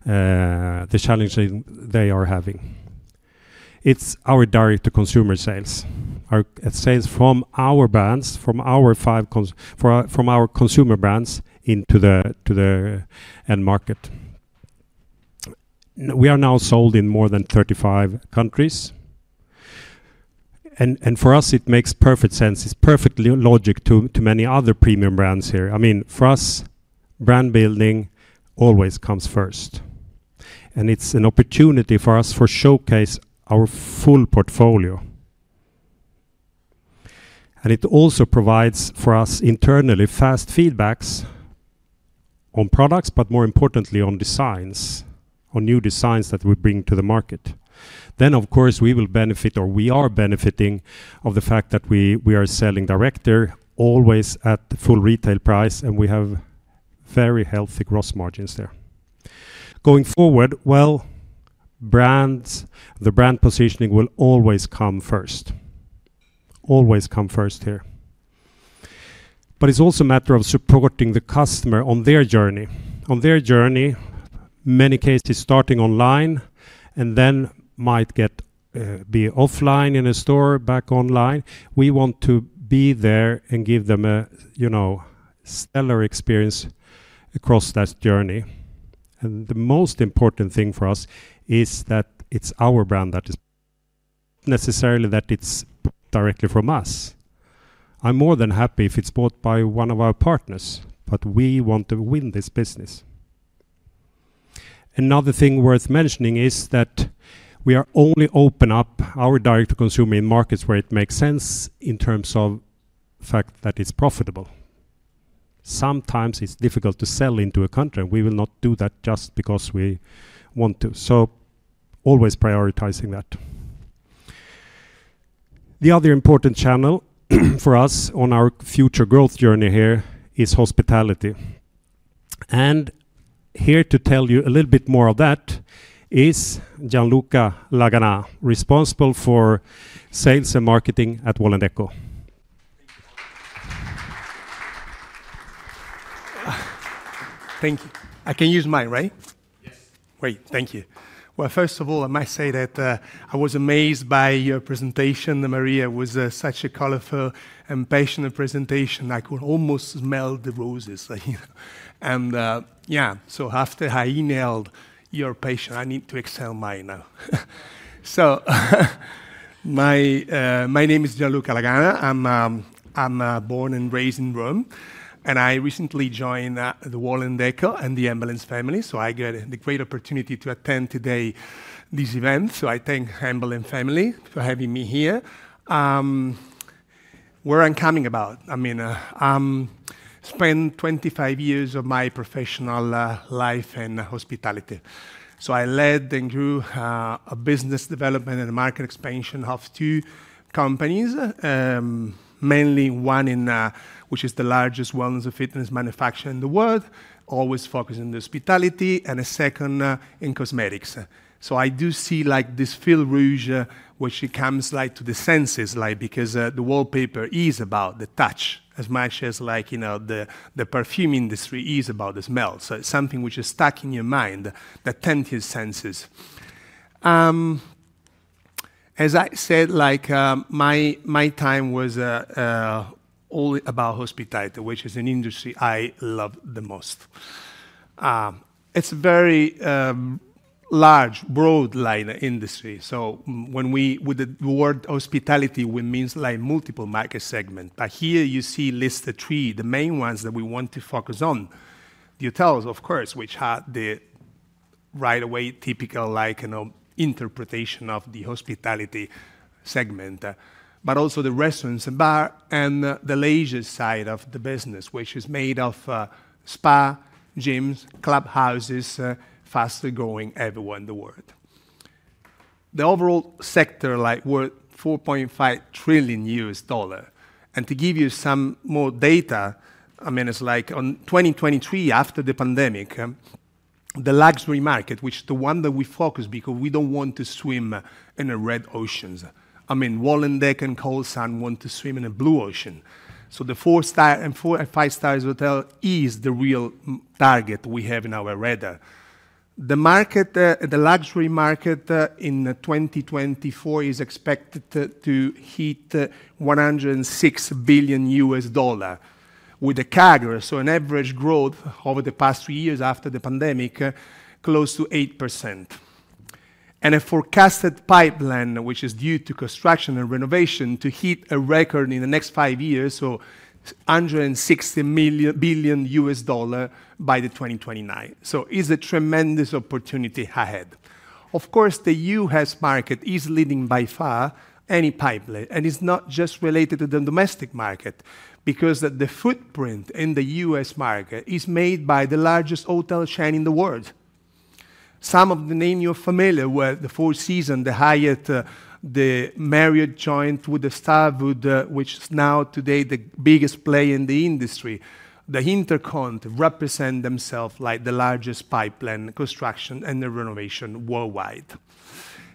the challenges they are having. It's our direct-to-consumer sales. Our sales from our brands, from our 5 consumer brands into the end market. We are now sold in more than 35 countries. For us, it makes perfect sense. It's perfectly logical to many other premium brands here. I mean, for us, brand building always comes first, and it's an opportunity for us to showcase our full portfolio. And it also provides for us, internally, fast feedback on products, but more importantly, on designs, on new designs that we bring to the market. Then, of course, we will benefit or we are benefiting from the fact that we, we are selling direct always at full retail price, and we have very healthy gross margins there. Going forward, well, brands, the brand positioning will always come first. Always come first here. But it's also a matter of supporting the customer on their journey. On their journey, in many cases starting online, and then might get, be offline in a store, back online. We want to be there and give them a, you know, stellar experience across that journey. And the most important thing for us is that it's our brand that is... necessarily that it's directly from us. I'm more than happy if it's bought by one of our partners, but we want to win this business. Another thing worth mentioning is that we are only open up our direct-to-consumer in markets where it makes sense in terms of fact that it's profitable. Sometimes it's difficult to sell into a country. We will not do that just because we want to. So always prioritizing that. The other important channel for us on our future growth journey here is hospitality. And here to tell you a little bit more of that is Gianluca Laganà, responsible for sales and marketing at Wall&decò. Thank you. I can use mine, right? Yes. Great, thank you. Well, first of all, I must say that I was amazed by your presentation, Maria. It was such a colorful and passionate presentation. I could almost smell the roses, you know? And yeah, so after I inhaled your passion, I need to exhale mine now. So my name is Gianluca Laganà. I'm born and raised in Rome, and I recently joined the Wall&decò and the Embellence family, so I get the great opportunity to attend today this event. So I thank Embellence family for having me here. Where I'm coming about, I mean, spent 25 years of my professional life in hospitality. So I led and grew a business development and a market expansion of two companies, mainly one in which is the largest wellness and fitness manufacturer in the world, always focused on hospitality, and a second in cosmetics. I do see, like, this fil rouge, which it comes, like, to the senses, like, because the wallpaper is about the touch as much as, like, you know, the perfume industry is about the smell. It's something which is stuck in your mind, the tentative senses. As I said, like, my time was all about hospitality, which is an industry I love the most. It's very large, broad line industry. When we... With the word hospitality, we means like multiple market segment, but here you see listed three, the main ones that we want to focus on. Hotels, of course, which are the right away, typical, like, you know, interpretation of the hospitality segment, but also the restaurants and bar and the leisure side of the business, which is made of spa, gyms, clubhouses, fast-growing everywhere in the world. The overall sector, like, worth $4.5 trillion. To give you some more data, I mean, it's like in 2023, after the pandemic, the luxury market, which the one that we focus because we don't want to swim in a red oceans. I mean, Wall&decò and Cole & Son want to swim in a blue ocean. So the four-star and four and five-stars hotel is the real target we have in our radar. The market, the luxury market, in 2024 is expected to hit $106 billion with a CAGR, so an average growth over the past three years after the pandemic, close to 8%. A forecasted pipeline, which is due to construction and renovation, to hit a record in the next five years, so $160 billion by the 2029. So is a tremendous opportunity ahead. Of course, the U.S. market is leading by far any pipeline, and it's not just related to the domestic market, because the footprint in the U.S. market is made by the largest hotel chain in the world. Some of the names you're familiar with, the Four Seasons, the Hyatt, the Marriott joined with the Starwood, which is now today the biggest player in the industry. The InterContinental represent themselves like the largest pipeline construction and the renovation worldwide.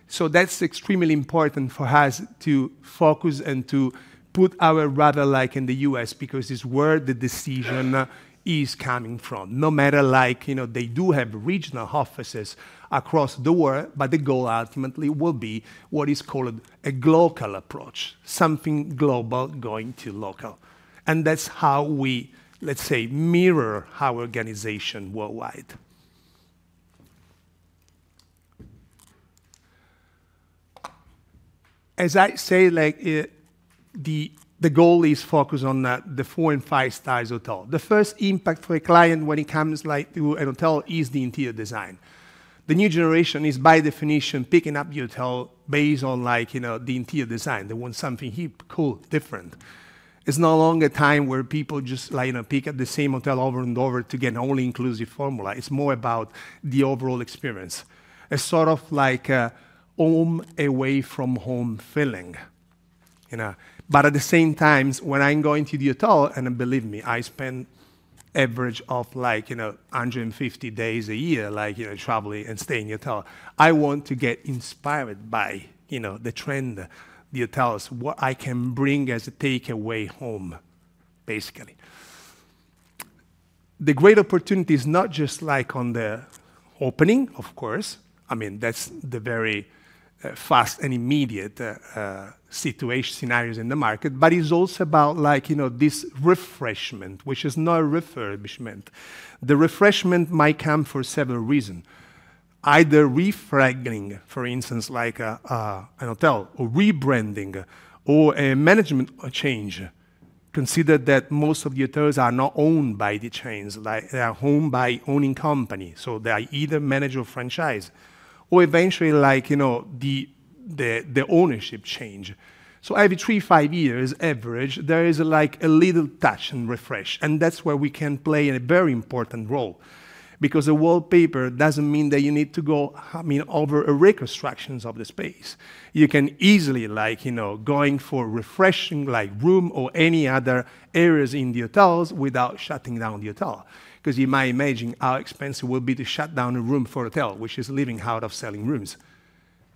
So that's extremely important for us to focus and to put our radar, like, in the U.S. because it's where the decision is coming from. No matter, like, you know, they do have regional offices across the world, but the goal ultimately will be what is called a glocal approach, something global going to local. And that's how we, let's say, mirror our organization worldwide. As I say, like, the goal is focused on the four and five stars hotel. The first impact for a client when it comes, like, to a hotel is the interior design. The new generation is, by definition, picking up the hotel based on, like, you know, the interior design. They want something hip, cool, different. It's no longer a time where people just, like, you know, pick at the same hotel over and over to get an all-inclusive formula. It's more about the overall experience. It's sort of like a home away from home feeling, you know? But at the same time, when I'm going to the hotel, and believe me, I spend average of, like, you know, 150 days a year, like, you know, traveling and staying in hotel, I want to get inspired by, you know, the trend, the hotels, what I can bring as a takeaway home, basically. The great opportunity is not just, like, on the opening, of course. I mean, that's the very fast and immediate situation, scenarios in the market, but it's also about, like, you know, this refreshment, which is not a refurbishment. The refreshment might come for several reasons, either refurbishing, for instance, like a hotel, or rebranding or a management change. Consider that most of the hotels are not owned by the chains. Like, they are owned by owning companies, so they are either managed or franchised. Or even, like, you know, the ownership change. So every three to five years, on average, there is, like, a little touch and refresh, and that's where we can play a very important role. Because a wallpaper doesn't mean that you need to go, I mean, over a reconstruction of the space. You can easily, like, you know, go for refreshing a room or any other areas in the hotels without shutting down the hotel. 'Cause you might imagine how expensive it will be to shut down a room for a hotel, which is living out of selling rooms.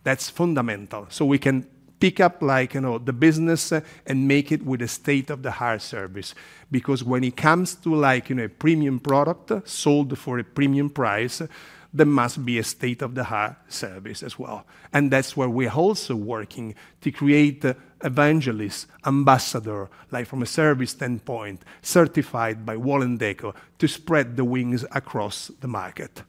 That's fundamental. So we can pick up, like, you know, the business and make it with a state-of-the-art service, because when it comes to, like, you know, a premium product sold for a premium price, there must be a state-of-the-art service as well. And that's where we're also working to create evangelist, ambassador, like from a service standpoint, certified by Wall&decò, to spread the wings across the market.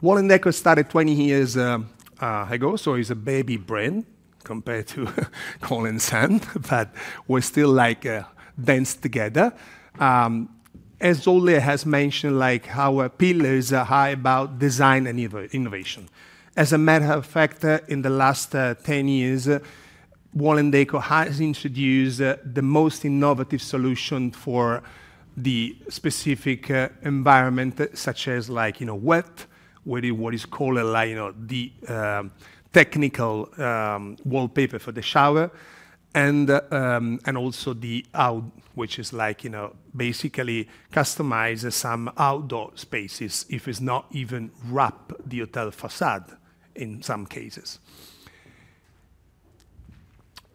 Wall&decò started 20 years ago, so it's a baby brand compared to Cole & Son, but we're still, like, dance together. As Olle has mentioned, like, our pillars are high about design and innovation. As a matter of fact, in the last 10 years, Wall&decò has introduced the most innovative solution for the specific environment, such as, like, you know, wet, where the-- what is called a, like, you know, the technical wallpaper for the shower, and also the out, which is like, you know, basically customizes some outdoor spaces, if it's not even wrap the hotel façade in some cases.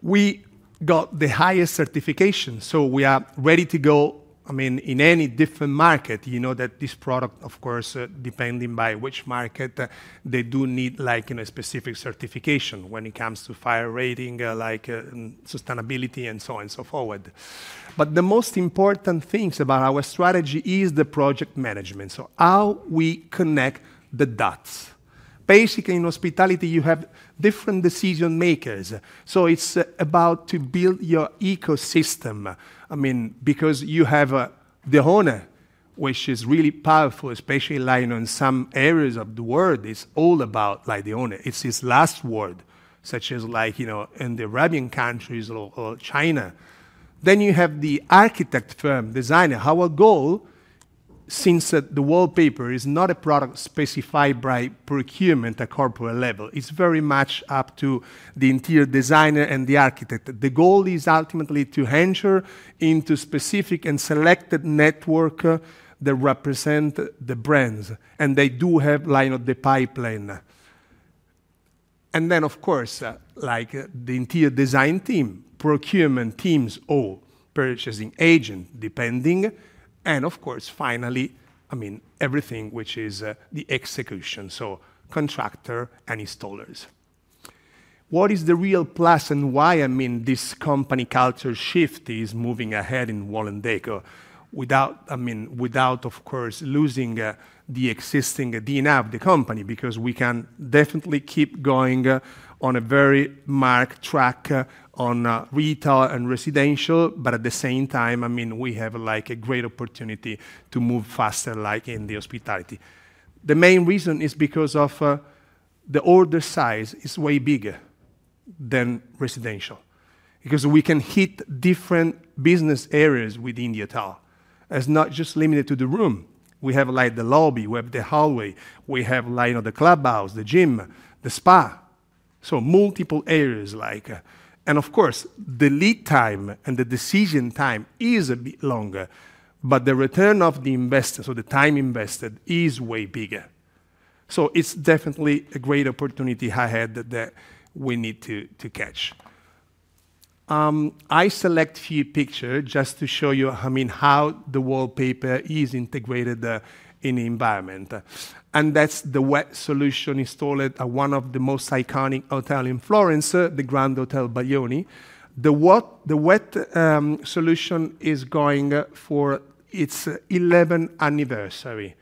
We got the highest certification, so we are ready to go, I mean, in any different market. You know that this product, of course, depending by which market, they do need, like, you know, specific certification when it comes to fire rating, like, sustainability and so on and so forward. But the most important things about our strategy is the project management, so how we connect the dots. Basically, in hospitality, you have different decision makers, so it's about to build your ecosystem. I mean, because you have the owner, which is really powerful, especially, like, in some areas of the world, it's all about, like, the owner. It's his last word, such as, like, you know, in the Arabian countries or China. Then you have the architect firm, designer. Since the wallpaper is not a product specified by procurement at corporate level, it's very much up to the interior designer and the architect. The goal is ultimately to enter into specific and selected network that represent the brands, and they do have line of the pipeline. And then, of course, like the interior design team, procurement teams, or purchasing agent, depending, and of course, finally, I mean, everything which is the execution, so contractor and installers. What is the real plus and why, I mean, this company culture shift is moving ahead in Wall&decò without, I mean, without, of course, losing, the existing DNA of the company? Because we can definitely keep going, on a very marked track, on, retail and residential, but at the same time, I mean, we have, like, a great opportunity to move faster, like, in the hospitality. The main reason is because of, the order size is way bigger than residential. Because we can hit different business areas within the hotel. It's not just limited to the room. We have, like, the lobby, we have the hallway, we have, like, you know, the clubhouse, the gym, the spa, so multiple areas, like... Of course, the lead time and the decision time is a bit longer, but the return of the investment, so the time invested, is way bigger. It's definitely a great opportunity ahead that we need to catch. I select few picture just to show you, I mean, how the wallpaper is integrated in the environment, and that's the wet solution installed at one of the most iconic hotel in Florence, the Grand Hotel Baglioni. The wet solution is going for its eleventh anniversary,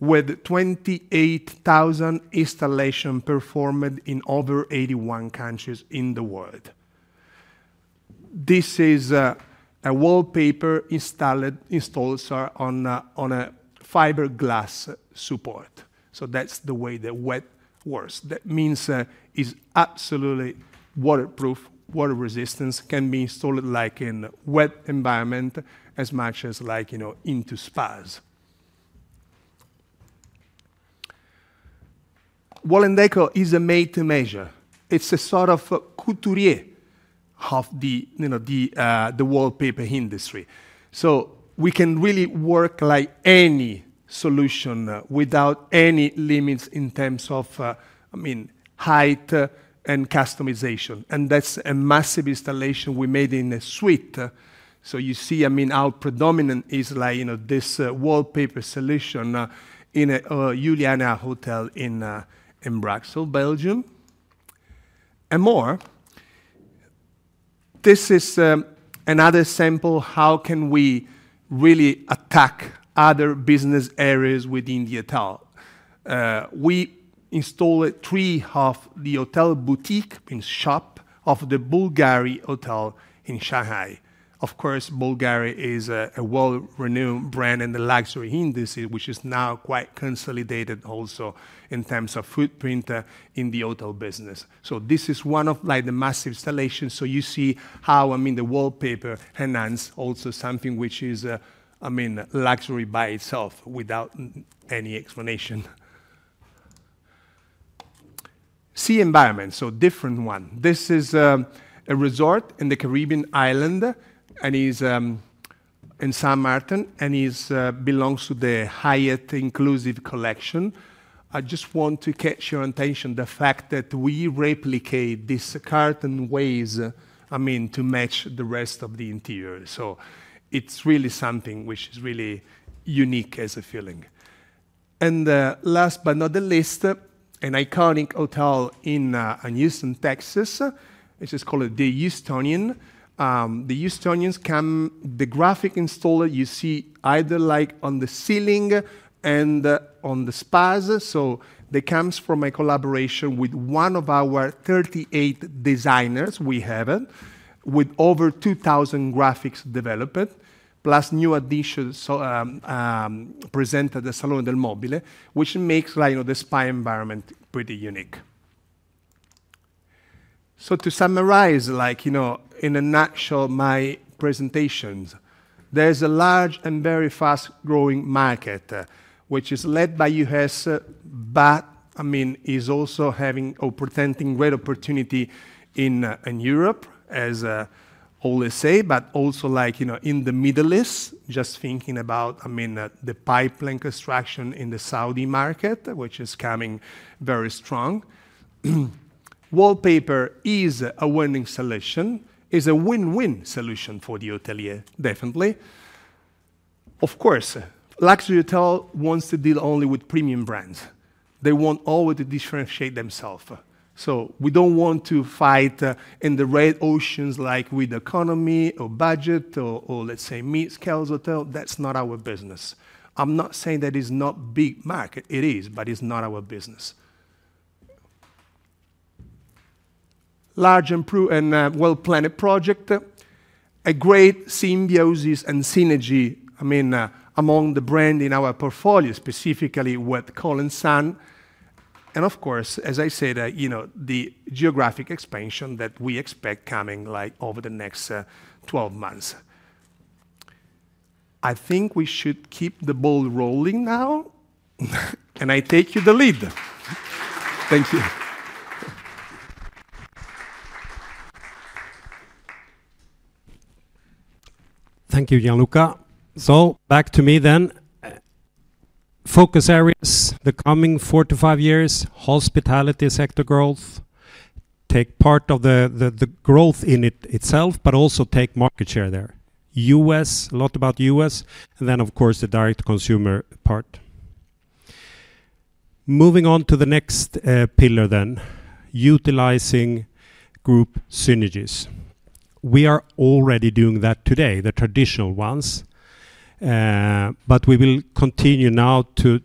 with 28,000 installation performed in over 81 countries in the world. This is a wallpaper installed on a fiberglass support, so that's the way the wet works. That means it's absolutely waterproof. Water resistance can be installed, like, in wet environment as much as, like, you know, into spas. Wall&decò is a made to measure. It's a sort of couturier of the, you know, the, the wallpaper industry. So we can really work, like, any solution, without any limits in terms of, I mean, height, and customization, and that's a massive installation we made in a suite. So you see, I mean, how predominant is, like, you know, this, wallpaper solution, in a, Juliana Hotel in, in Brussels, Belgium. And more, this is, another example, how can we really attack other business areas within the hotel? We installed three of the hotel boutique in shop of the Bulgari Hotel in Shanghai. Of course, Bulgari is a well-renowned brand in the luxury industry, which is now quite consolidated also in terms of footprint in the hotel business. So this is one of, like, the massive installations, so you see how, I mean, the wallpaper enhance also something which is, I mean, luxury by itself without any explanation. Sea environment, so different one. This is a resort in the Caribbean island, and is in Saint Martin, and is belongs to the Hyatt Inclusive Collection. I just want to catch your attention, the fact that we replicate these curtain waves, I mean, to match the rest of the interior, so it's really something which is really unique as a feeling. And, last but not the least, an iconic hotel in, Houston, Texas. This is called The Houstonian. The Houstonian's come... The graphic installer you see either, like, on the ceiling and, on the spas, so that comes from a collaboration with one of our 38 designers we have, with over 2,000 graphics developed, plus new additions, so, presented at Salone del Mobile, which makes, like, you know, the spa environment pretty unique. So to summarize, like, you know, in a nutshell, my presentations, there's a large and very fast-growing market, which is led by U.S., but, I mean, is also having opportunity, great opportunity in, in Europe, as I always say, but also, like, you know, in the Middle East, just thinking about, I mean, the pipeline construction in the Saudi market, which is coming very strong. Wallpaper is a winning solution, is a win-win solution for the hotelier, definitely. Of course, luxury hotel wants to deal only with premium brands. They want always to differentiate themselves, so we don't want to fight in the red oceans, like, with economy or budget or, or let's say, mid-scale hotel. That's not our business. I'm not saying that it's not big market. It is, but it's not our business. Large and well-planned project. A great symbiosis and synergy, I mean, among the brand in our portfolio, specifically with Cole & Son. And of course, as I said, you know, the geographic expansion that we expect coming, like, over the next 12 months. I think we should keep the ball rolling now, and I take you the lead. Thank you. Thank you, Gianluca. So back to me then. Focus areas, the coming four to five years, hospitality sector growth, take part of the growth in itself, but also take market share there. U.S., a lot about U.S., and then, of course, the direct consumer part. Moving on to the next pillar then, utilizing group synergies. We are already doing that today, the traditional ones, but we will continue now to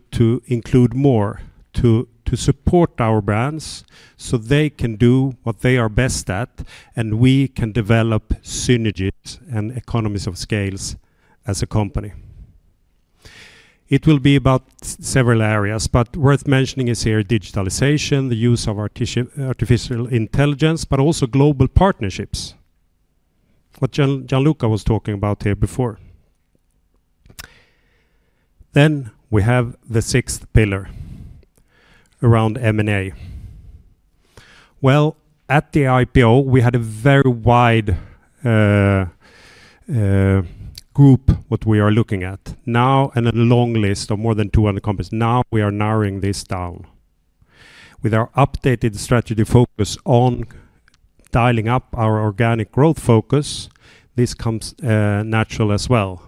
include more to support our brands so they can do what they are best at, and we can develop synergies and economies of scale as a company. It will be about several areas, but worth mentioning is here, digitalization, the use of artificial intelligence, but also global partnerships, what Gianluca was talking about here before. Then we have the sixth pillar around M&A. Well, at the IPO, we had a very wide group, what we are looking at. Now, and a long list of more than 200 companies. Now, we are narrowing this down. With our updated strategy focus on dialing up our organic growth focus, this comes natural as well.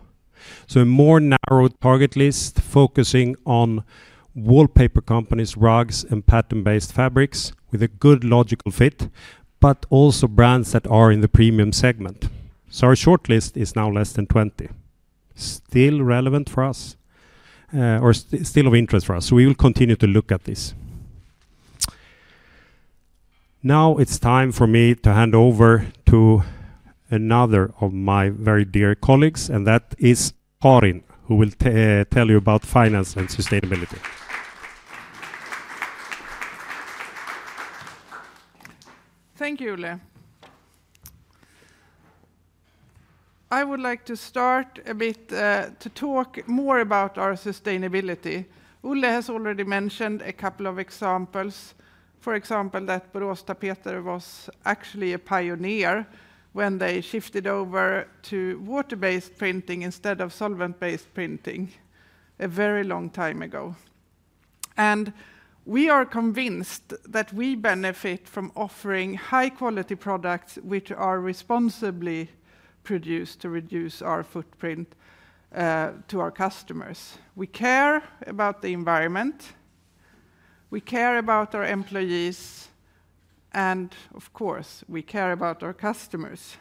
So a more narrowed target list, focusing on wallpaper companies, rugs, and pattern-based fabrics with a good logical fit, but also brands that are in the premium segment. So our shortlist is now less than 20. Still relevant for us, or still of interest for us, so we will continue to look at this. Now, it's time for me to hand over to another of my very dear colleagues, and that is Karin, who will tell you about finance and sustainability. Thank you, Olle. I would like to start a bit to talk more about our sustainability. Olle has already mentioned a couple of examples. For example, that Boråstapeter was actually a pioneer when they shifted over to water-based printing instead of solvent-based printing a very long time ago. We are convinced that we benefit from offering high-quality products, which are responsibly produced to reduce our footprint to our customers. We care about the environment, we care about our employees, and of course, we care about our customers.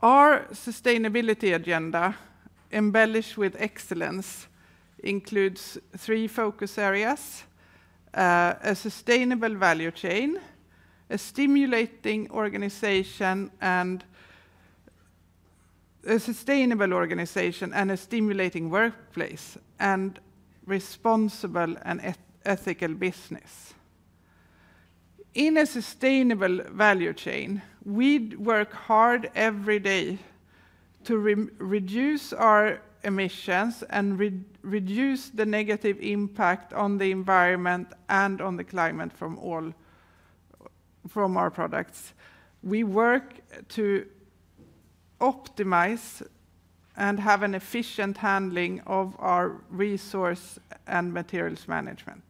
Our sustainability agenda, embellished with excellence, includes three focus areas: a sustainable value chain, a stimulating organization, and a sustainable organization, and a stimulating workplace, and responsible and ethical business. In a sustainable value chain, we work hard every day to reduce our emissions and reduce the negative impact on the environment and on the climate from all... from our products. We work to optimize and have an efficient handling of our resource and materials management.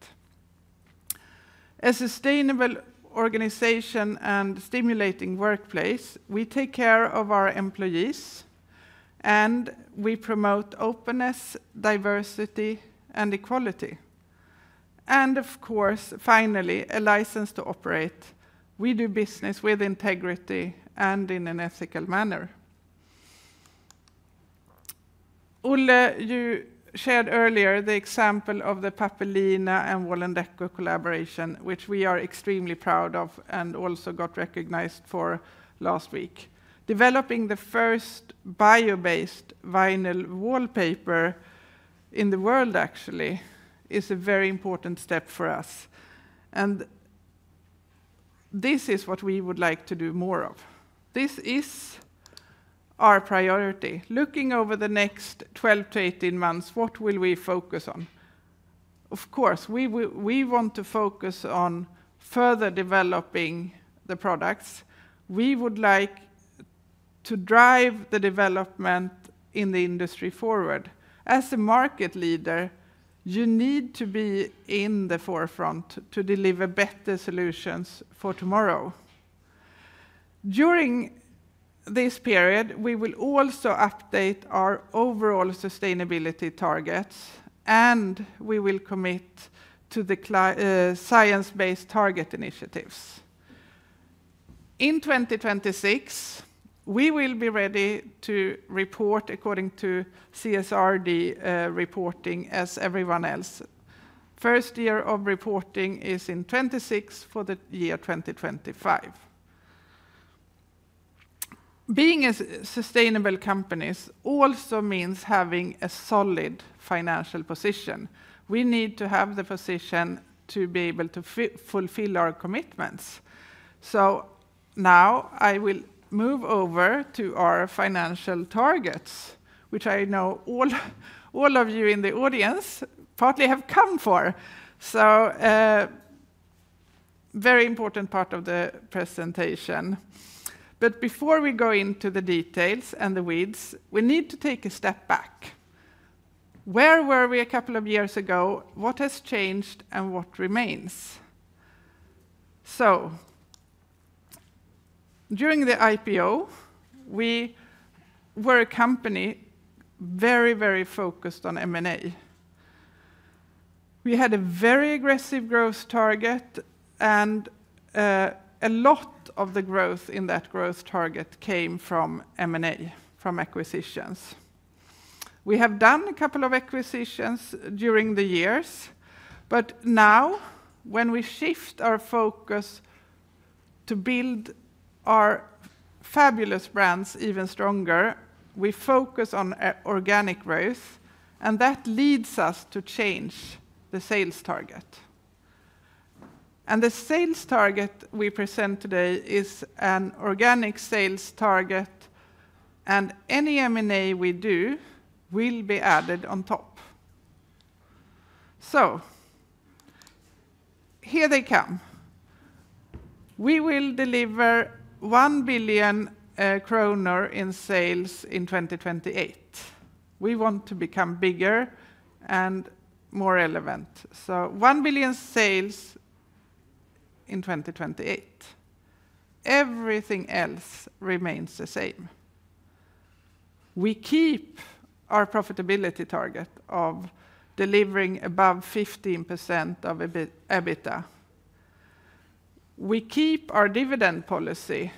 A sustainable organization and stimulating workplace, we take care of our employees, and we promote openness, diversity, and equality. And of course, finally, a license to operate. We do business with integrity and in an ethical manner. Olle, you shared earlier the example of the Pappelina and Wall&decò collaboration, which we are extremely proud of and also got recognized for last week. Developing the first bio-based vinyl wallpaper in the world, actually, is a very important step for us, and this is what we would like to do more of. This is our priority. Looking over the next 12-18 months, what will we focus on? Of course, we want to focus on further developing the products. We would like to drive the development in the industry forward. As a market leader, you need to be in the forefront to deliver better solutions for tomorrow. During this period, we will also update our overall sustainability targets, and we will commit to the Science Based Targets initiative. In 2026, we will be ready to report according to CSRD reporting as everyone else. First year of reporting is in 2026 for the year 2025. Being a sustainable companies also means having a solid financial position. We need to have the position to be able to fulfill our commitments. So now, I will move over to our financial targets, which I know all, all of you in the audience partly have come for. So, very important part of the presentation. But before we go into the details and the weeds, we need to take a step back. Where were we a couple of years ago? What has changed, and what remains? So during the IPO, we were a company very, very focused on M&A. We had a very aggressive growth target, and, a lot of the growth in that growth target came from M&A, from acquisitions. We have done a couple of acquisitions during the years, but now, when we shift our focus to build our fabulous brands even stronger, we focus on organic growth, and that leads us to change the sales target. The sales target we present today is an organic sales target, and any M&A we do will be added on top. So here they come. We will deliver 1 billion kronor in sales in 2028. We want to become bigger and more relevant, so SEK 1 billion sales in 2028. Everything else remains the same. We keep our profitability target of delivering above 15% EBITDA. We keep our dividend policy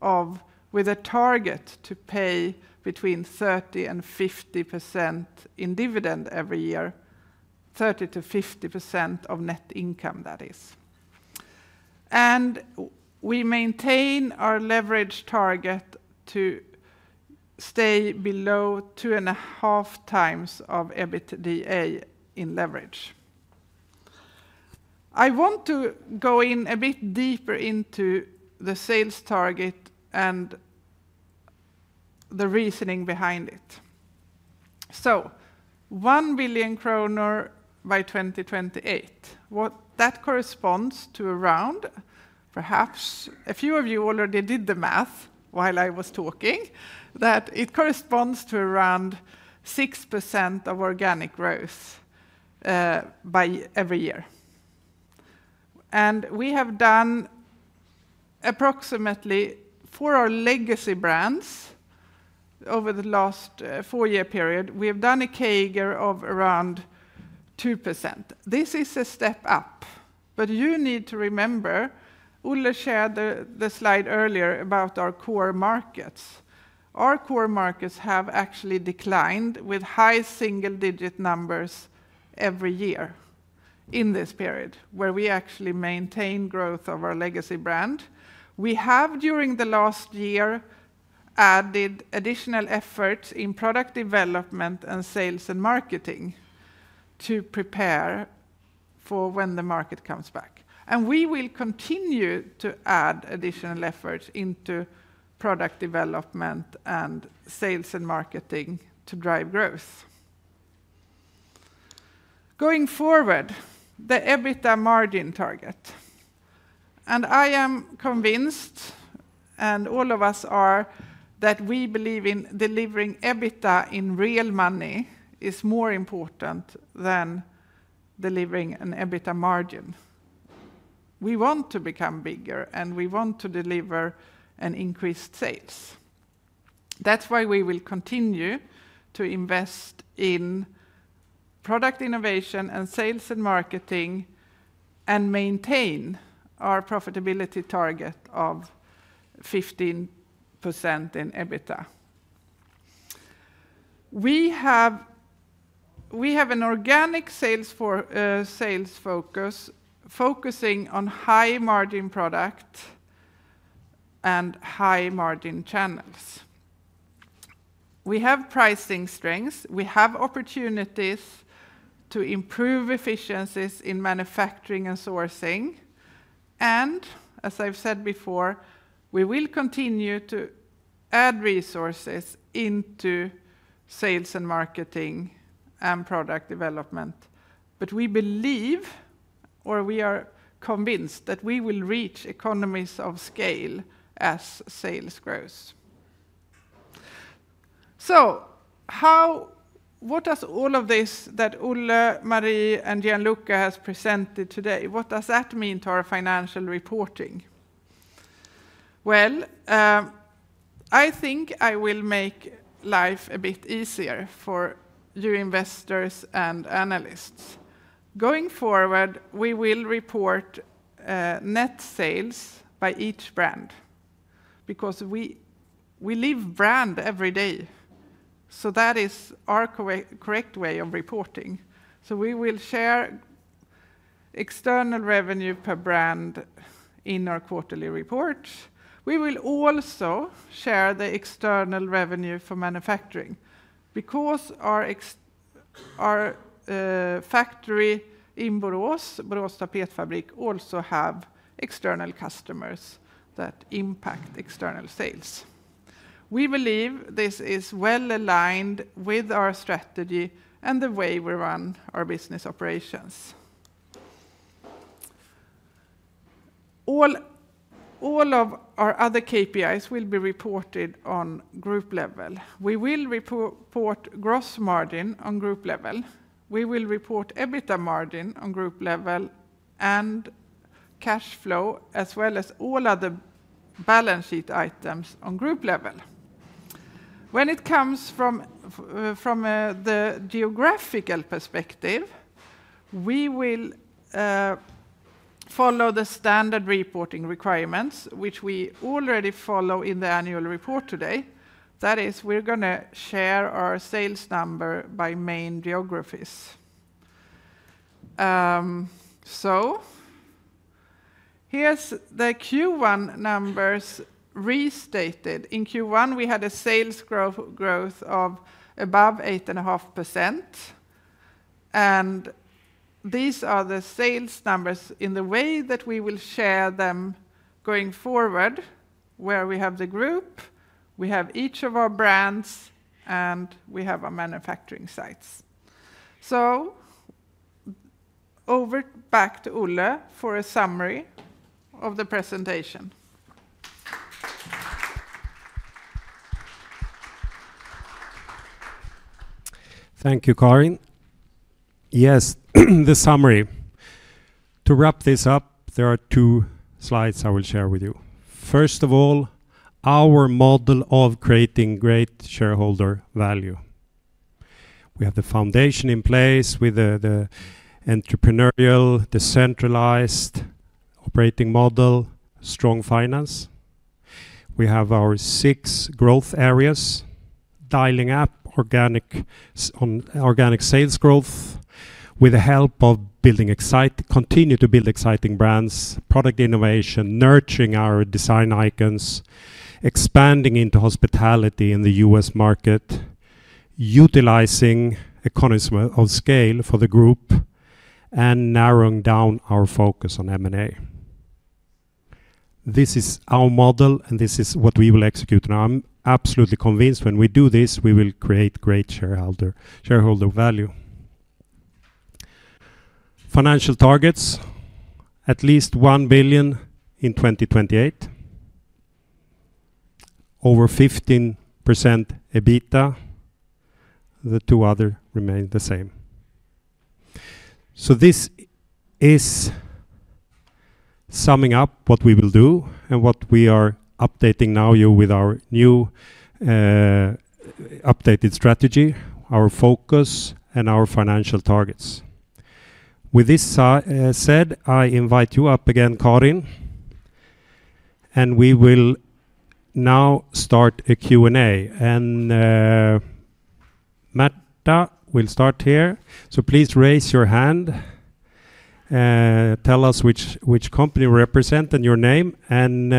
of with a target to pay between 30% and 50% in dividend every year, 30%-50% of net income, that is. We maintain our leverage target to stay below 2.5x EBITDA in leverage. I want to go in a bit deeper into the sales target and the reasoning behind it. So 1 billion kronor by 2028, what that corresponds to around, perhaps a few of you already did the math while I was talking, that it corresponds to around 6% organic growth by every year. And we have done approximately for our legacy brands over the last 4-year period, we have done a CAGR of around 2%. This is a step up, but you need to remember, Olle shared the slide earlier about our core markets. Our core markets have actually declined with high single-digit numbers every year in this period, where we actually maintain growth of our legacy brand. We have, during the last year, added additional efforts in product development and sales and marketing to prepare for when the market comes back, and we will continue to add additional efforts into product development and sales and marketing to drive growth. Going forward, the EBITDA margin target, and I am convinced, and all of us are, that we believe in delivering EBITDA in real money is more important than delivering an EBITDA margin. We want to become bigger, and we want to deliver an increased sales. That's why we will continue to invest in product innovation and sales and marketing and maintain our profitability target of 15% in EBITDA. We have, we have an organic sales for, sales focus, focusing on high-margin product and high-margin channels. We have pricing strengths, we have opportunities to improve efficiencies in manufacturing and sourcing, and as I've said before, we will continue to add resources into sales and marketing and product development. But we believe, or we are convinced, that we will reach economies of scale as sales grows. So how... What does all of this that Olle, Marie, and Gianluca has presented today, what does that mean to our financial reporting? Well, I think I will make life a bit easier for you investors and analysts. Going forward, we will report net sales by each brand because we live brand every day, so that is our correct way of reporting. So we will share external revenue per brand in our quarterly report. We will also share the external revenue for manufacturing, because our factory in Borås, Borås Tapetfabrik, also have external customers that impact external sales. We believe this is well aligned with our strategy and the way we run our business operations. All of our other KPIs will be reported on group level. We will report gross margin on group level, we will report EBITDA margin on group level, and cash flow, as well as all other balance sheet items on group level. When it comes from the geographical perspective, we will follow the standard reporting requirements, which we already follow in the annual report today. That is, we're gonna share our sales number by main geographies. So here's the Q1 numbers restated. In Q1, we had a sales growth of above 8.5%, and these are the sales numbers in the way that we will share them going forward, where we have the group, we have each of our brands, and we have our manufacturing sites. So over back to Olle for a summary of the presentation. Thank you, Karin. Yes, the summary. To wrap this up, there are two slides I will share with you. First of all, our model of creating great shareholder value. We have the foundation in place with the entrepreneurial, decentralized operating model, strong finance. We have our six growth areas, dialing up organic sales growth, with the help of continue to build exciting brands, product innovation, nurturing our design icons, expanding into hospitality in the US market, utilizing economies of scale for the group, and narrowing down our focus on M&A. This is our model, and this is what we will execute. And I'm absolutely convinced when we do this, we will create great shareholder value. Financial targets, at least 1 billion in 2028, over 15% EBITDA. The two other remain the same. So this is summing up what we will do and what we are updating now you with our new, updated strategy, our focus, and our financial targets. With this said, I invite you up again, Karin, and we will now start a Q&A. And, Märta will start here. So please raise your hand, tell us which, which company you represent and your name, and,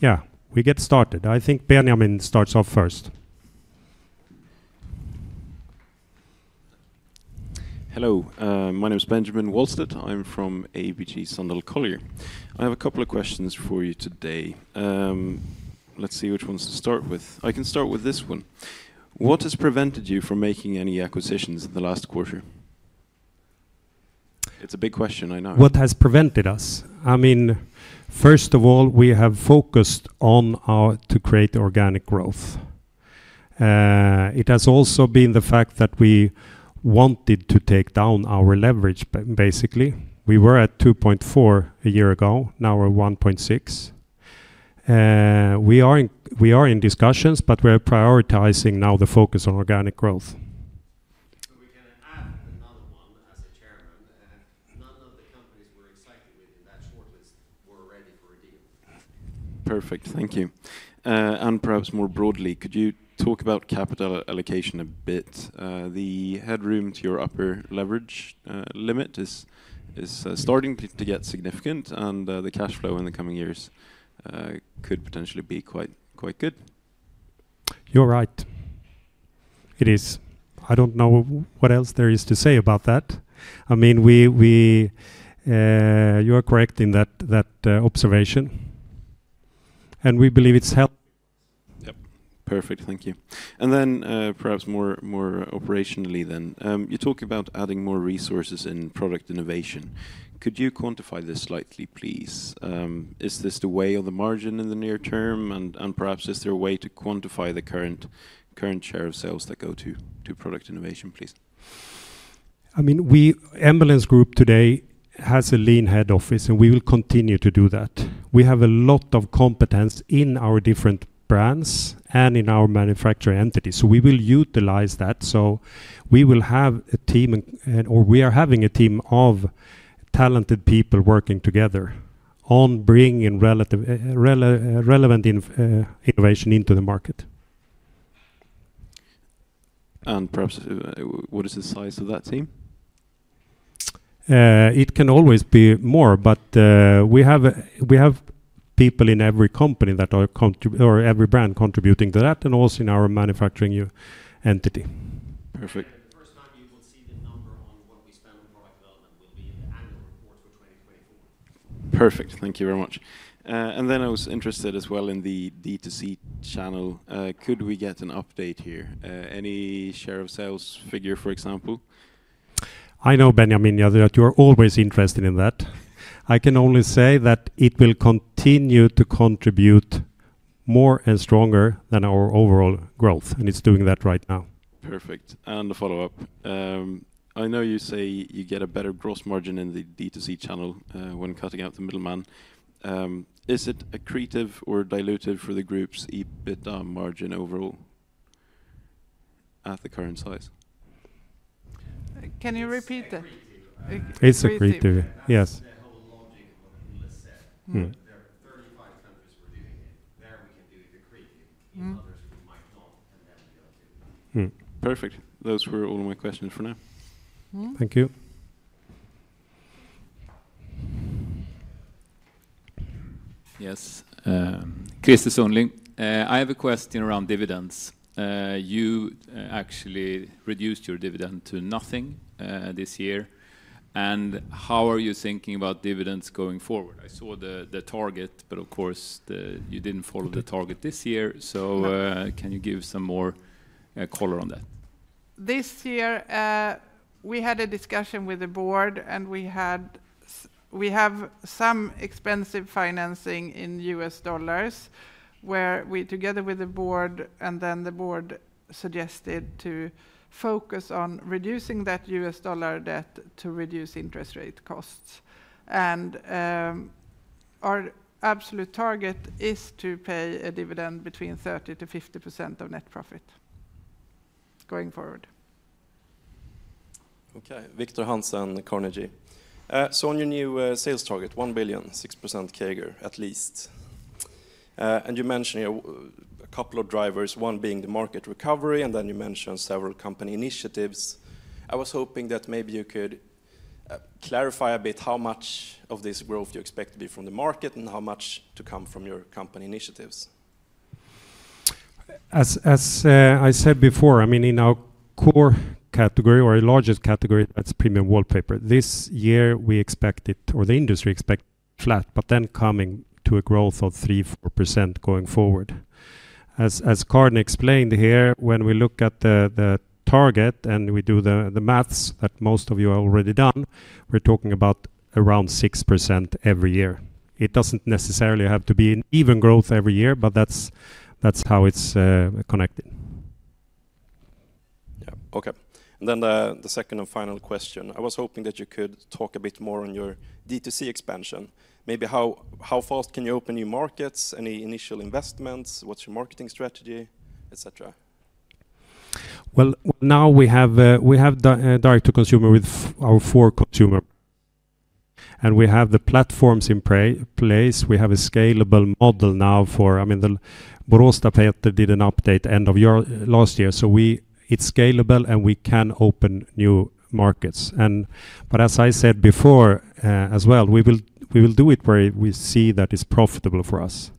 yeah, we get started. I think Benjamin starts off first. Hello, my name is Benjamin Wahlstedt. I'm from ABG Sundal Collier. I have a couple of questions for you today. Let's see which ones to start with. I can start with this one: What has prevented you from making any acquisitions in the last quarter? It's a big question, I know. What has prevented us? I mean, first of all, we have focused on how to create organic growth. It has also been the fact that we wanted to take down our leverage, basically. We were at 2.4 a year ago, now we're 1.6. We are in discussions, but we are prioritizing now the focus on organic growth. We can add another one as a chairman, and none of the companies we're excited with in that shortlist were ready for a deal. Perfect. Thank you. Perhaps more broadly, could you talk about capital allocation a bit? The headroom to your upper leverage limit is starting to get significant, and the cash flow in the coming years could potentially be quite good. You're right. It is. I don't know what else there is to say about that. I mean, we You are correct in that observation, and we believe it's helped. Yep. Perfect. Thank you. And then, perhaps more operationally then, you talk about adding more resources in product innovation. Could you quantify this slightly, please? Is this the way of the margin in the near term? And, perhaps, is there a way to quantify the current share of sales that go to product innovation, please? I mean, we, Embellence Group today has a lean head office, and we will continue to do that. We have a lot of competence in our different brands and in our manufacturing entities, so we will utilize that. So we will have a team, and or we are having a team of talented people working together on bringing relevant innovation into the market.... And perhaps, what is the size of that team? It can always be more, but we have people in every company or every brand contributing to that, and also in our manufacturing entity. Perfect. The first time you will see the number on what we spend on product development will be in the annual report for 2024. Perfect. Thank you very much. And then I was interested as well in the D2C channel. Could we get an update here? Any share of sales figure, for example? I know, Benjamin, yeah, that you are always interested in that. I can only say that it will continue to contribute more and stronger than our overall growth, and it's doing that right now. Perfect, and a follow-up. I know you say you get a better gross margin in the D2C channel, when cutting out the middleman. Is it accretive or dilutive for the group's EBITDA margin overall at the current size? Can you repeat that? It's accretive. It's accretive, yes. That's the whole logic of what Nils said. Mm. There are 35 countries we're doing it. There, we can do it accretive. Mm. In others, we might not, and then we go to... Mm. Perfect. Those were all my questions for now. Mm. Thank you. Yes, Chris Sonling. I have a question around dividends. You actually reduced your dividend to nothing this year, and how are you thinking about dividends going forward? I saw the target, but of course, you didn't follow the target this year. So, No... can you give some more, color on that? This year, we had a discussion with the board, and we have some expensive financing in U.S. dollars, where we, together with the board, and then the board suggested to focus on reducing that U.S. dollar debt to reduce interest rate costs. And, our absolute target is to pay a dividend between 30%-50% of net profit going forward. Okay. Viktor Hansen, Carnegie. So on your new sales target, 1 billion, 6% CAGR at least. And you mentioned a couple of drivers, one being the market recovery, and then you mentioned several company initiatives. I was hoping that maybe you could clarify a bit how much of this growth you expect to be from the market and how much to come from your company initiatives. As I said before, I mean, in our core category or our largest category, that's premium wallpaper. This year, we expect it, or the industry expect flat, but then coming to a growth of 3%-4% going forward. As Karin explained here, when we look at the target and we do the math that most of you are already done, we're talking about around 6% every year. It doesn't necessarily have to be an even growth every year, but that's how it's connected. Yeah. Okay. And then the second and final question, I was hoping that you could talk a bit more on your D2C expansion. Maybe how fast can you open new markets? Any initial investments? What's your marketing strategy, et cetera? Well, now we have direct to consumer with our four consumer, and we have the platforms in place. We have a scalable model now for... I mean, the Boråstapeter did an update end of year, last year. So we... It's scalable, and we can open new markets. But as I said before, as well, we will do it where we see that it's profitable for us.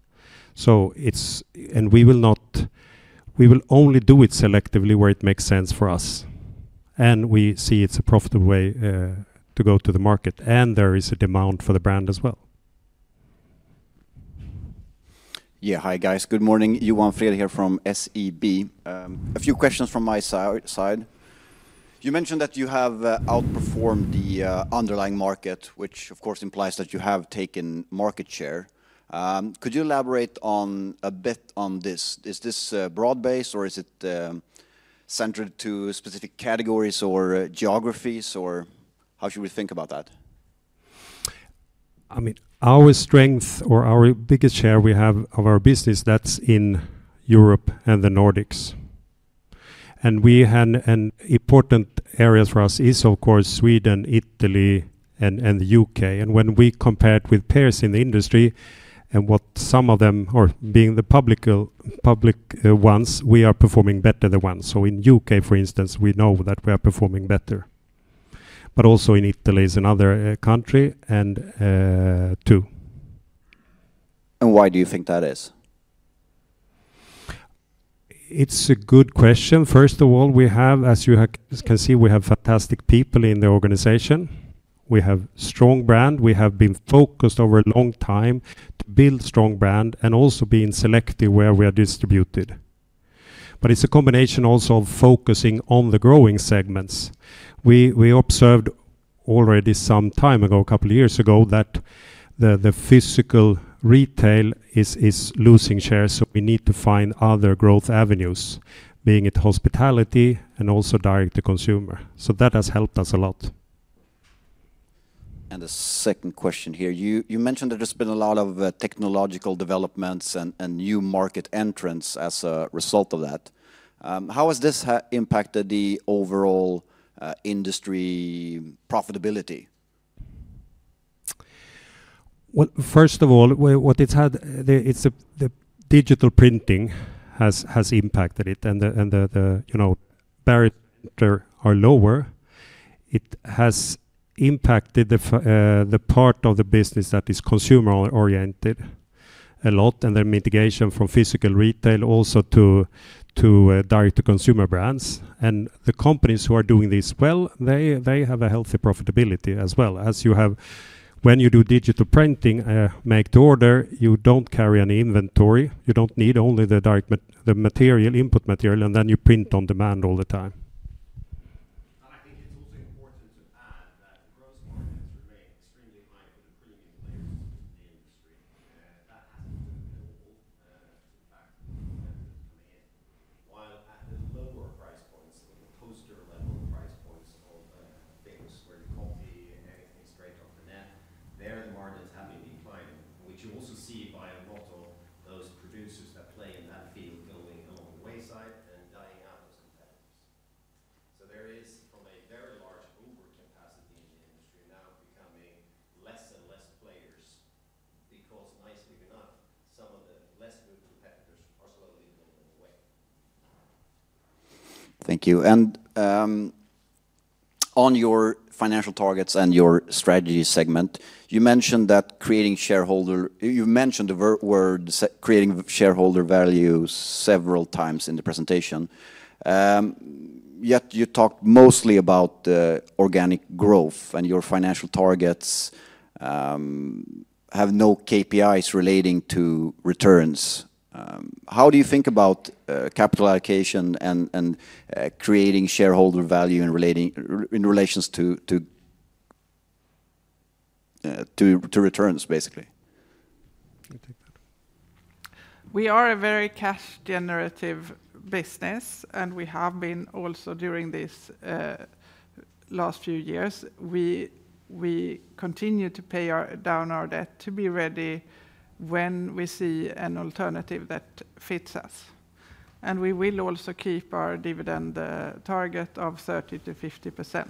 So it's... And we will not, we will only do it selectively where it makes sense for us, and we see it's a profitable way to go to the market, and there is a demand for the brand as well. Yeah. Hi, guys. Good morning. Johan Fred here from SEB. A few questions from my side. You mentioned that you have outperformed the underlying market, which of course, implies that you have taken market share. Could you elaborate on a bit on this? Is this broad-based, or is it centered to specific categories or geographies, or how should we think about that? I mean, our strength or our biggest share we have of our business, that's in Europe and the Nordics. And we had, an important area for us is, of course, Sweden, Italy, and, and the U.K. And when we compared with peers in the industry and what some of them are being the public, public, ones, we are performing better than one. So in U.K., for instance, we know that we are performing better, but also in Italy is another, country, and, too. Why do you think that is? It's a good question. First of all, we have, as you can see, we have fantastic people in the organization. We have strong brand. We have been focused over a long time to build strong brand and also being selective where we are distributed. But it's a combination also of focusing on the growing segments. We observed already some time ago, a couple of years ago, that the physical retail is losing share, so we need to find other growth avenues, be it hospitality and also direct to consumer. So that has helped us a lot. The second question here: you mentioned that there's been a lot of technological developments and new market entrants as a result of that. How has this impacted the overall industry profitability? ... Well, first of all, what it's had, the, it's the digital printing has impacted it, and the, you know, barriers are lower. It has impacted the part of the business that is consumer oriented a lot, and the mitigation from physical retail also to direct-to-consumer brands. And the companies who are doing this well, they have a healthy profitability as well. As you have. When you do digital printing, make to order, you don't carry any inventory. You don't need only the direct material, input material, and then you print on demand all the time. I think it's also important to add that the gross margins remain extremely high for the premium players in the industry. That hasn't moved at all, in fact. While at the lower price points, in the poster level price points of things where you copy anything straight off the net, there the margins have been declining, which you also see by a lot of those producers that play in that field going along the wayside and dying out as competitors. So there is from a very large overcapacity in the industry now becoming less and less players, because nicely enough, some of the less good competitors are slowly moving away. Thank you. And on your financial targets and your strategy segment, you mentioned creating shareholder value several times in the presentation. Yet you talked mostly about organic growth, and your financial targets have no KPIs relating to returns. How do you think about capital allocation and creating shareholder value in relation to returns, basically? You take that. We are a very cash-generative business, and we have been also during this last few years. We continue to pay down our debt to be ready when we see an alternative that fits us. And we will also keep our dividend target of 30%-50%.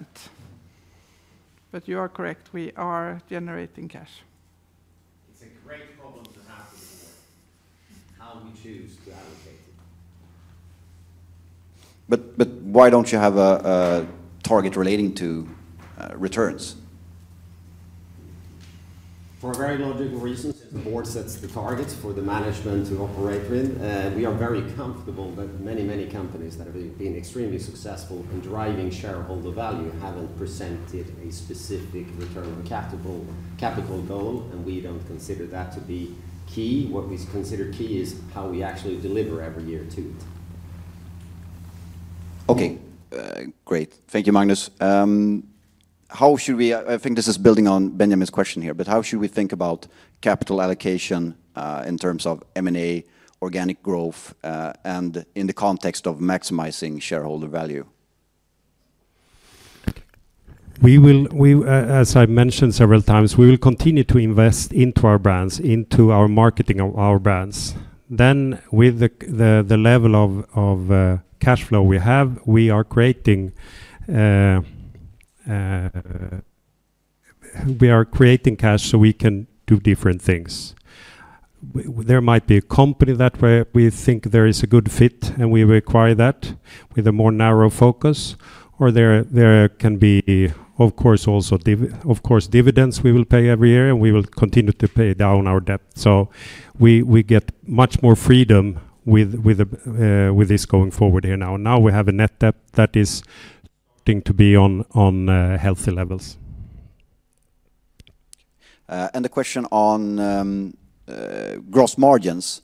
But you are correct, we are generating cash. It's a great problem to have with this, how we choose to allocate it. But why don't you have a target relating to returns? For a very logical reason, the board sets the targets for the management to operate with. We are very comfortable that many, many companies that have been extremely successful in driving shareholder value haven't presented a specific return on capital goal, and we don't consider that to be key. What we consider key is how we actually deliver every year to it. Okay, great. Thank you, Magnus. I think this is building on Benjamin's question here, but how should we think about capital allocation in terms of M&A, organic growth, and in the context of maximizing shareholder value? We will, as I've mentioned several times, continue to invest into our brands, into our marketing of our brands. Then with the level of cash flow we have, we are creating cash, so we can do different things. There might be a company that we think there is a good fit, and we acquire that with a more narrow focus, or there can be, of course, also dividends we will pay every year, and we will continue to pay down our debt. So we get much more freedom with this going forward here now. Now we have a net debt that is going to be on healthy levels. The question on gross margins.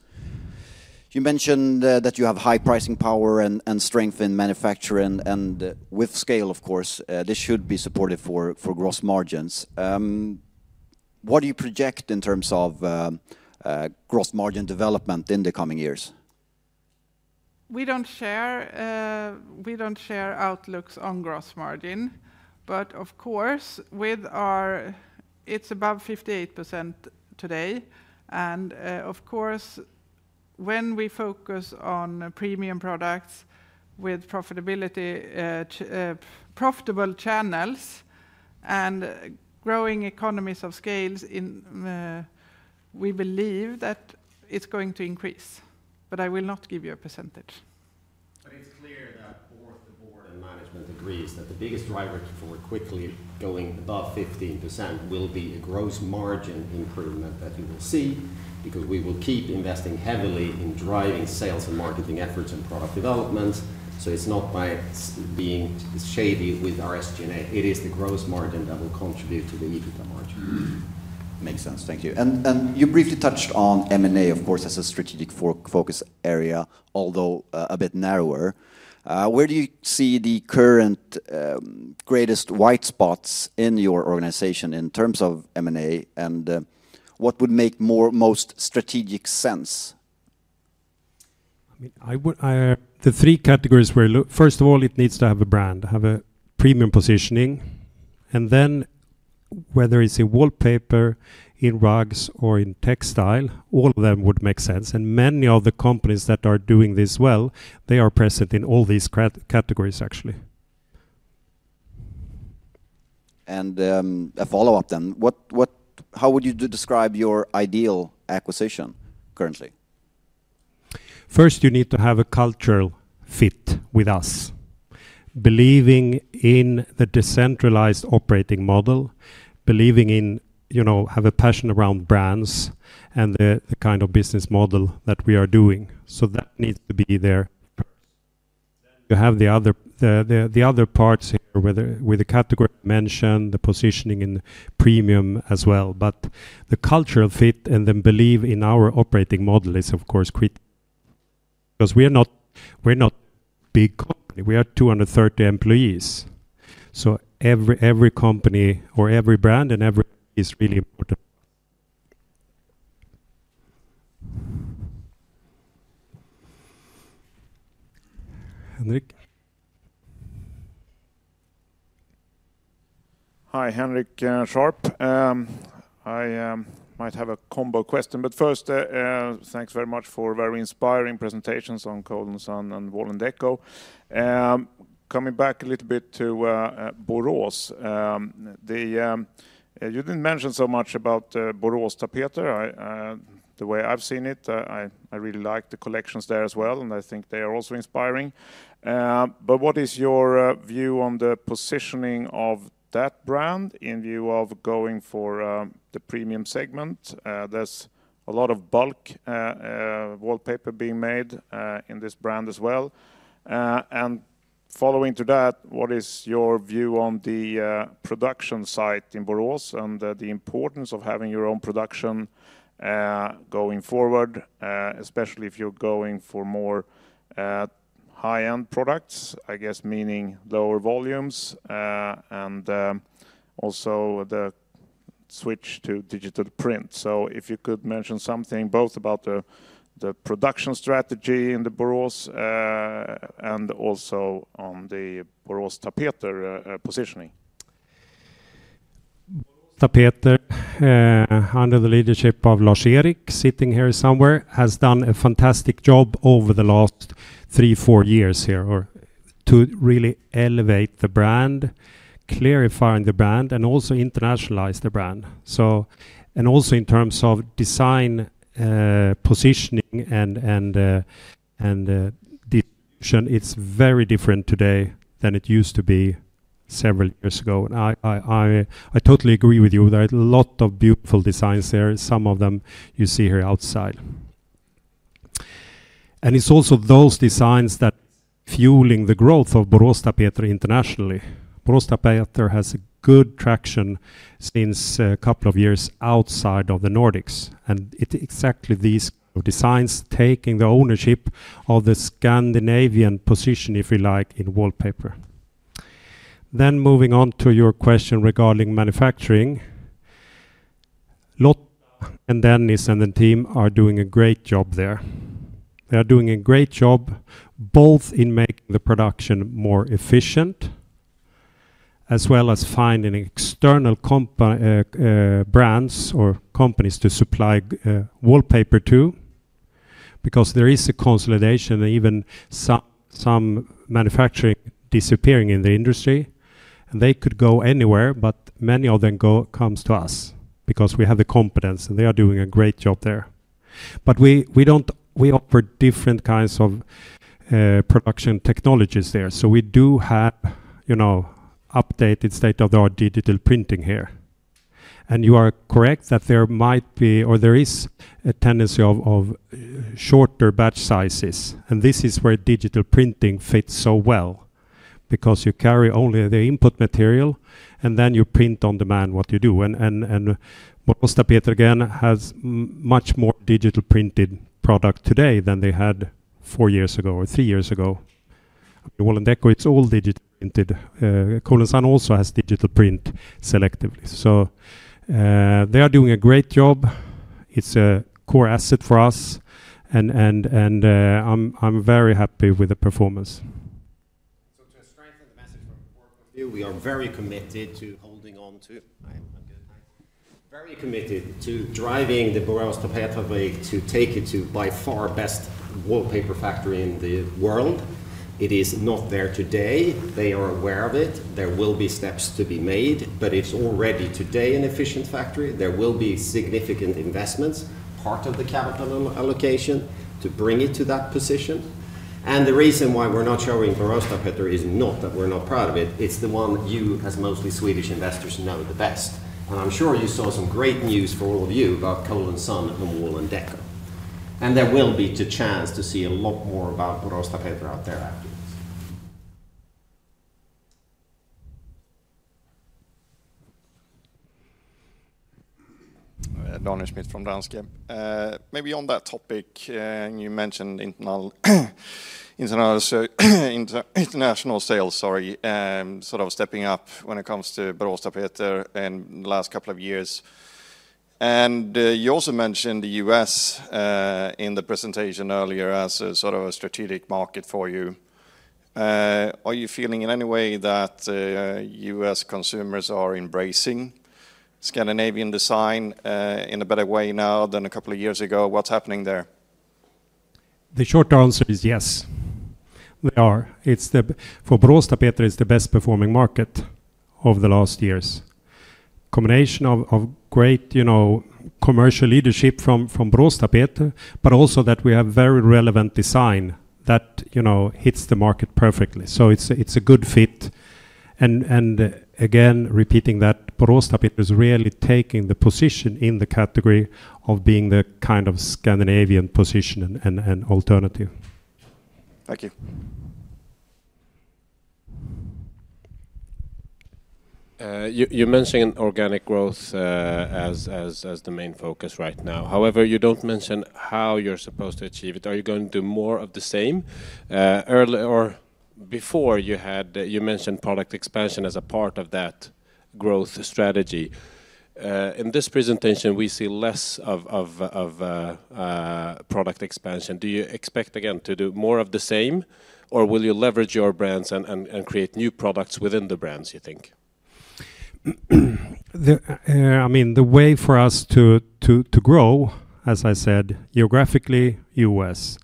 You mentioned that you have high pricing power and strength in manufacturing, and with scale, of course, this should be supportive for gross margins. What do you project in terms of gross margin development in the coming years? We don't share outlooks on gross margin, but of course, with our, it's above 58% today, and, of course, when we focus on premium products with profitability, profitable channels and growing economies of scale, we believe that it's going to increase, but I will not give you a percentage. But it's clear that both the board and management agrees that the biggest driver for quickly going above 15% will be a gross margin improvement that you will see, because we will keep investing heavily in driving sales and marketing efforts and product developments. So it's not by being shady with our SG&A, it is the gross margin that will contribute to the EBITDA margin. Makes sense. Thank you. And you briefly touched on M&A, of course, as a strategic focus area, although a bit narrower. Where do you see the current greatest white spots in your organization in terms of M&A, and what would make most strategic sense? I mean, I would. The three categories we look, first of all, it needs to have a brand, have a premium positioning, and then whether it's in wallpaper, in rugs, or in textile, all of them would make sense. And many of the companies that are doing this well, they are present in all these categories, actually.... And, a follow-up then. What, how would you describe your ideal acquisition currently? First, you need to have a cultural fit with us, believing in the decentralized operating model, believing in, you know, have a passion around brands and the kind of business model that we are doing. So that needs to be there first. Then you have the other parts here, where with the category mentioned, the positioning in premium as well. But the cultural fit and the belief in our operating model is, of course, critical. 'Cause we are not, we're not big company. We are 230 employees, so every company or every brand, and every is really important. Henrik? Hi, Henrik Scharp. I might have a combo question, but first, thanks very much for very inspiring presentations on Cole & Son and Wall&decò. Coming back a little bit to Borås. You didn't mention so much about Boråstapeter. The way I've seen it, I really like the collections there as well, and I think they are also inspiring. But what is your view on the positioning of that brand in view of going for the premium segment? There's a lot of bulk wallpaper being made in this brand as well. And following to that, what is your view on the production site in Borås and the importance of having your own production going forward, especially if you're going for more high-end products, I guess, meaning lower volumes, and also the switch to digital print? So if you could mention something both about the production strategy in the Borås, and also on the Boråstapeter positioning. Boråstapeter, under the leadership of Lars-Erik, sitting here somewhere, has done a fantastic job over the last 3 or 4 years here, or to really elevate the brand, clarifying the brand, and also internationalize the brand. And also in terms of design, positioning, and distribution, it's very different today than it used to be several years ago. And I totally agree with you. There are a lot of beautiful designs there. Some of them you see here outside. And it's also those designs that fueling the growth of Boråstapeter internationally. Boråstapeter has a good traction since a couple of years outside of the Nordics, and it exactly these designs taking the ownership of the Scandinavian position, if you like, in wallpaper. Then moving on to your question regarding manufacturing. Lotta and Dennis, and the team are doing a great job there. They are doing a great job, both in making the production more efficient, as well as finding external companies to supply, wallpaper to, because there is a consolidation and even some manufacturing disappearing in the industry, and they could go anywhere, but many of them go comes to us because we have the competence, and they are doing a great job there. But we, we don't... We offer different kinds of production technologies there. So we do have, you know, updated state-of-the-art digital printing here. And you are correct that there might be or there is a tendency of shorter batch sizes, and this is where digital printing fits so well because you carry only the input material, and then you print on demand what you do. Boråstapeter, again, has much more digital printed product today than they had four years ago or three years ago. Wall&decò, it's all digital printed. Cole & Son also has digital print selectively. So, they are doing a great job. It's a core asset for us, and, I'm very happy with the performance. So to strengthen the message from our point of view, we are very committed to holding on to... I am good? Very committed to driving the Boråstapeter way, to take it to by far best wallpaper factory in the world. It is not there today. They are aware of it. There will be steps to be made, but it's already today an efficient factory. There will be significant investments, part of the capital allocation, to bring it to that position. And the reason why we're not showing Boråstapeter is not that we're not proud of it, it's the one you, as mostly Swedish investors, know the best. And I'm sure you saw some great news for all of you about Cole & Son and Wall&decò. And there will be the chance to see a lot more about Boråstapeter out there after this. Daniel Schmidt from Danske. Maybe on that topic, you mentioned international sales, sorry, sort of stepping up when it comes to Boråstapeter in the last couple of years. You also mentioned the U.S. in the presentation earlier as a sort of a strategic market for you. Are you feeling in any way that U.S. consumers are embracing Scandinavian design in a better way now than a couple of years ago? What's happening there? The short answer is yes, they are. It's the—for Boråstapeter, it's the best performing market of the last years. Combination of, of great, you know, commercial leadership from, from Boråstapeter, but also that we have very relevant design that, you know, hits the market perfectly. So it's a, it's a good fit, and, and again, repeating that Boråstapeter is really taking the position in the category of being the kind of Scandinavian position and, and, and alternative. Thank you. You're mentioning organic growth as the main focus right now. However, you don't mention how you're supposed to achieve it. Are you going to do more of the same? Earlier or before you had, you mentioned product expansion as a part of that growth strategy. In this presentation, we see less of product expansion. Do you expect again to do more of the same, or will you leverage your brands and create new products within the brands, you think? I mean, the way for us to grow, as I said, geographically, U.S.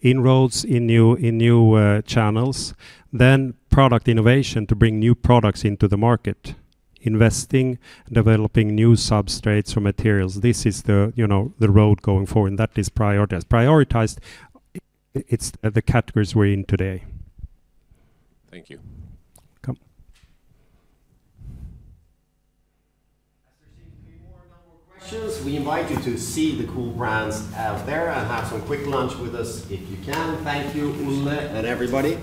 inroads in new channels, then product innovation to bring new products into the market. Investing, developing new substrates or materials, this is, you know, the road going forward, and that is prioritized. Prioritized, it's the categories we're in today. Thank you. Welcome. As there seem to be no more questions, we invite you to see the cool brands out there and have some quick lunch with us if you can. Thank you, Olle and everybody.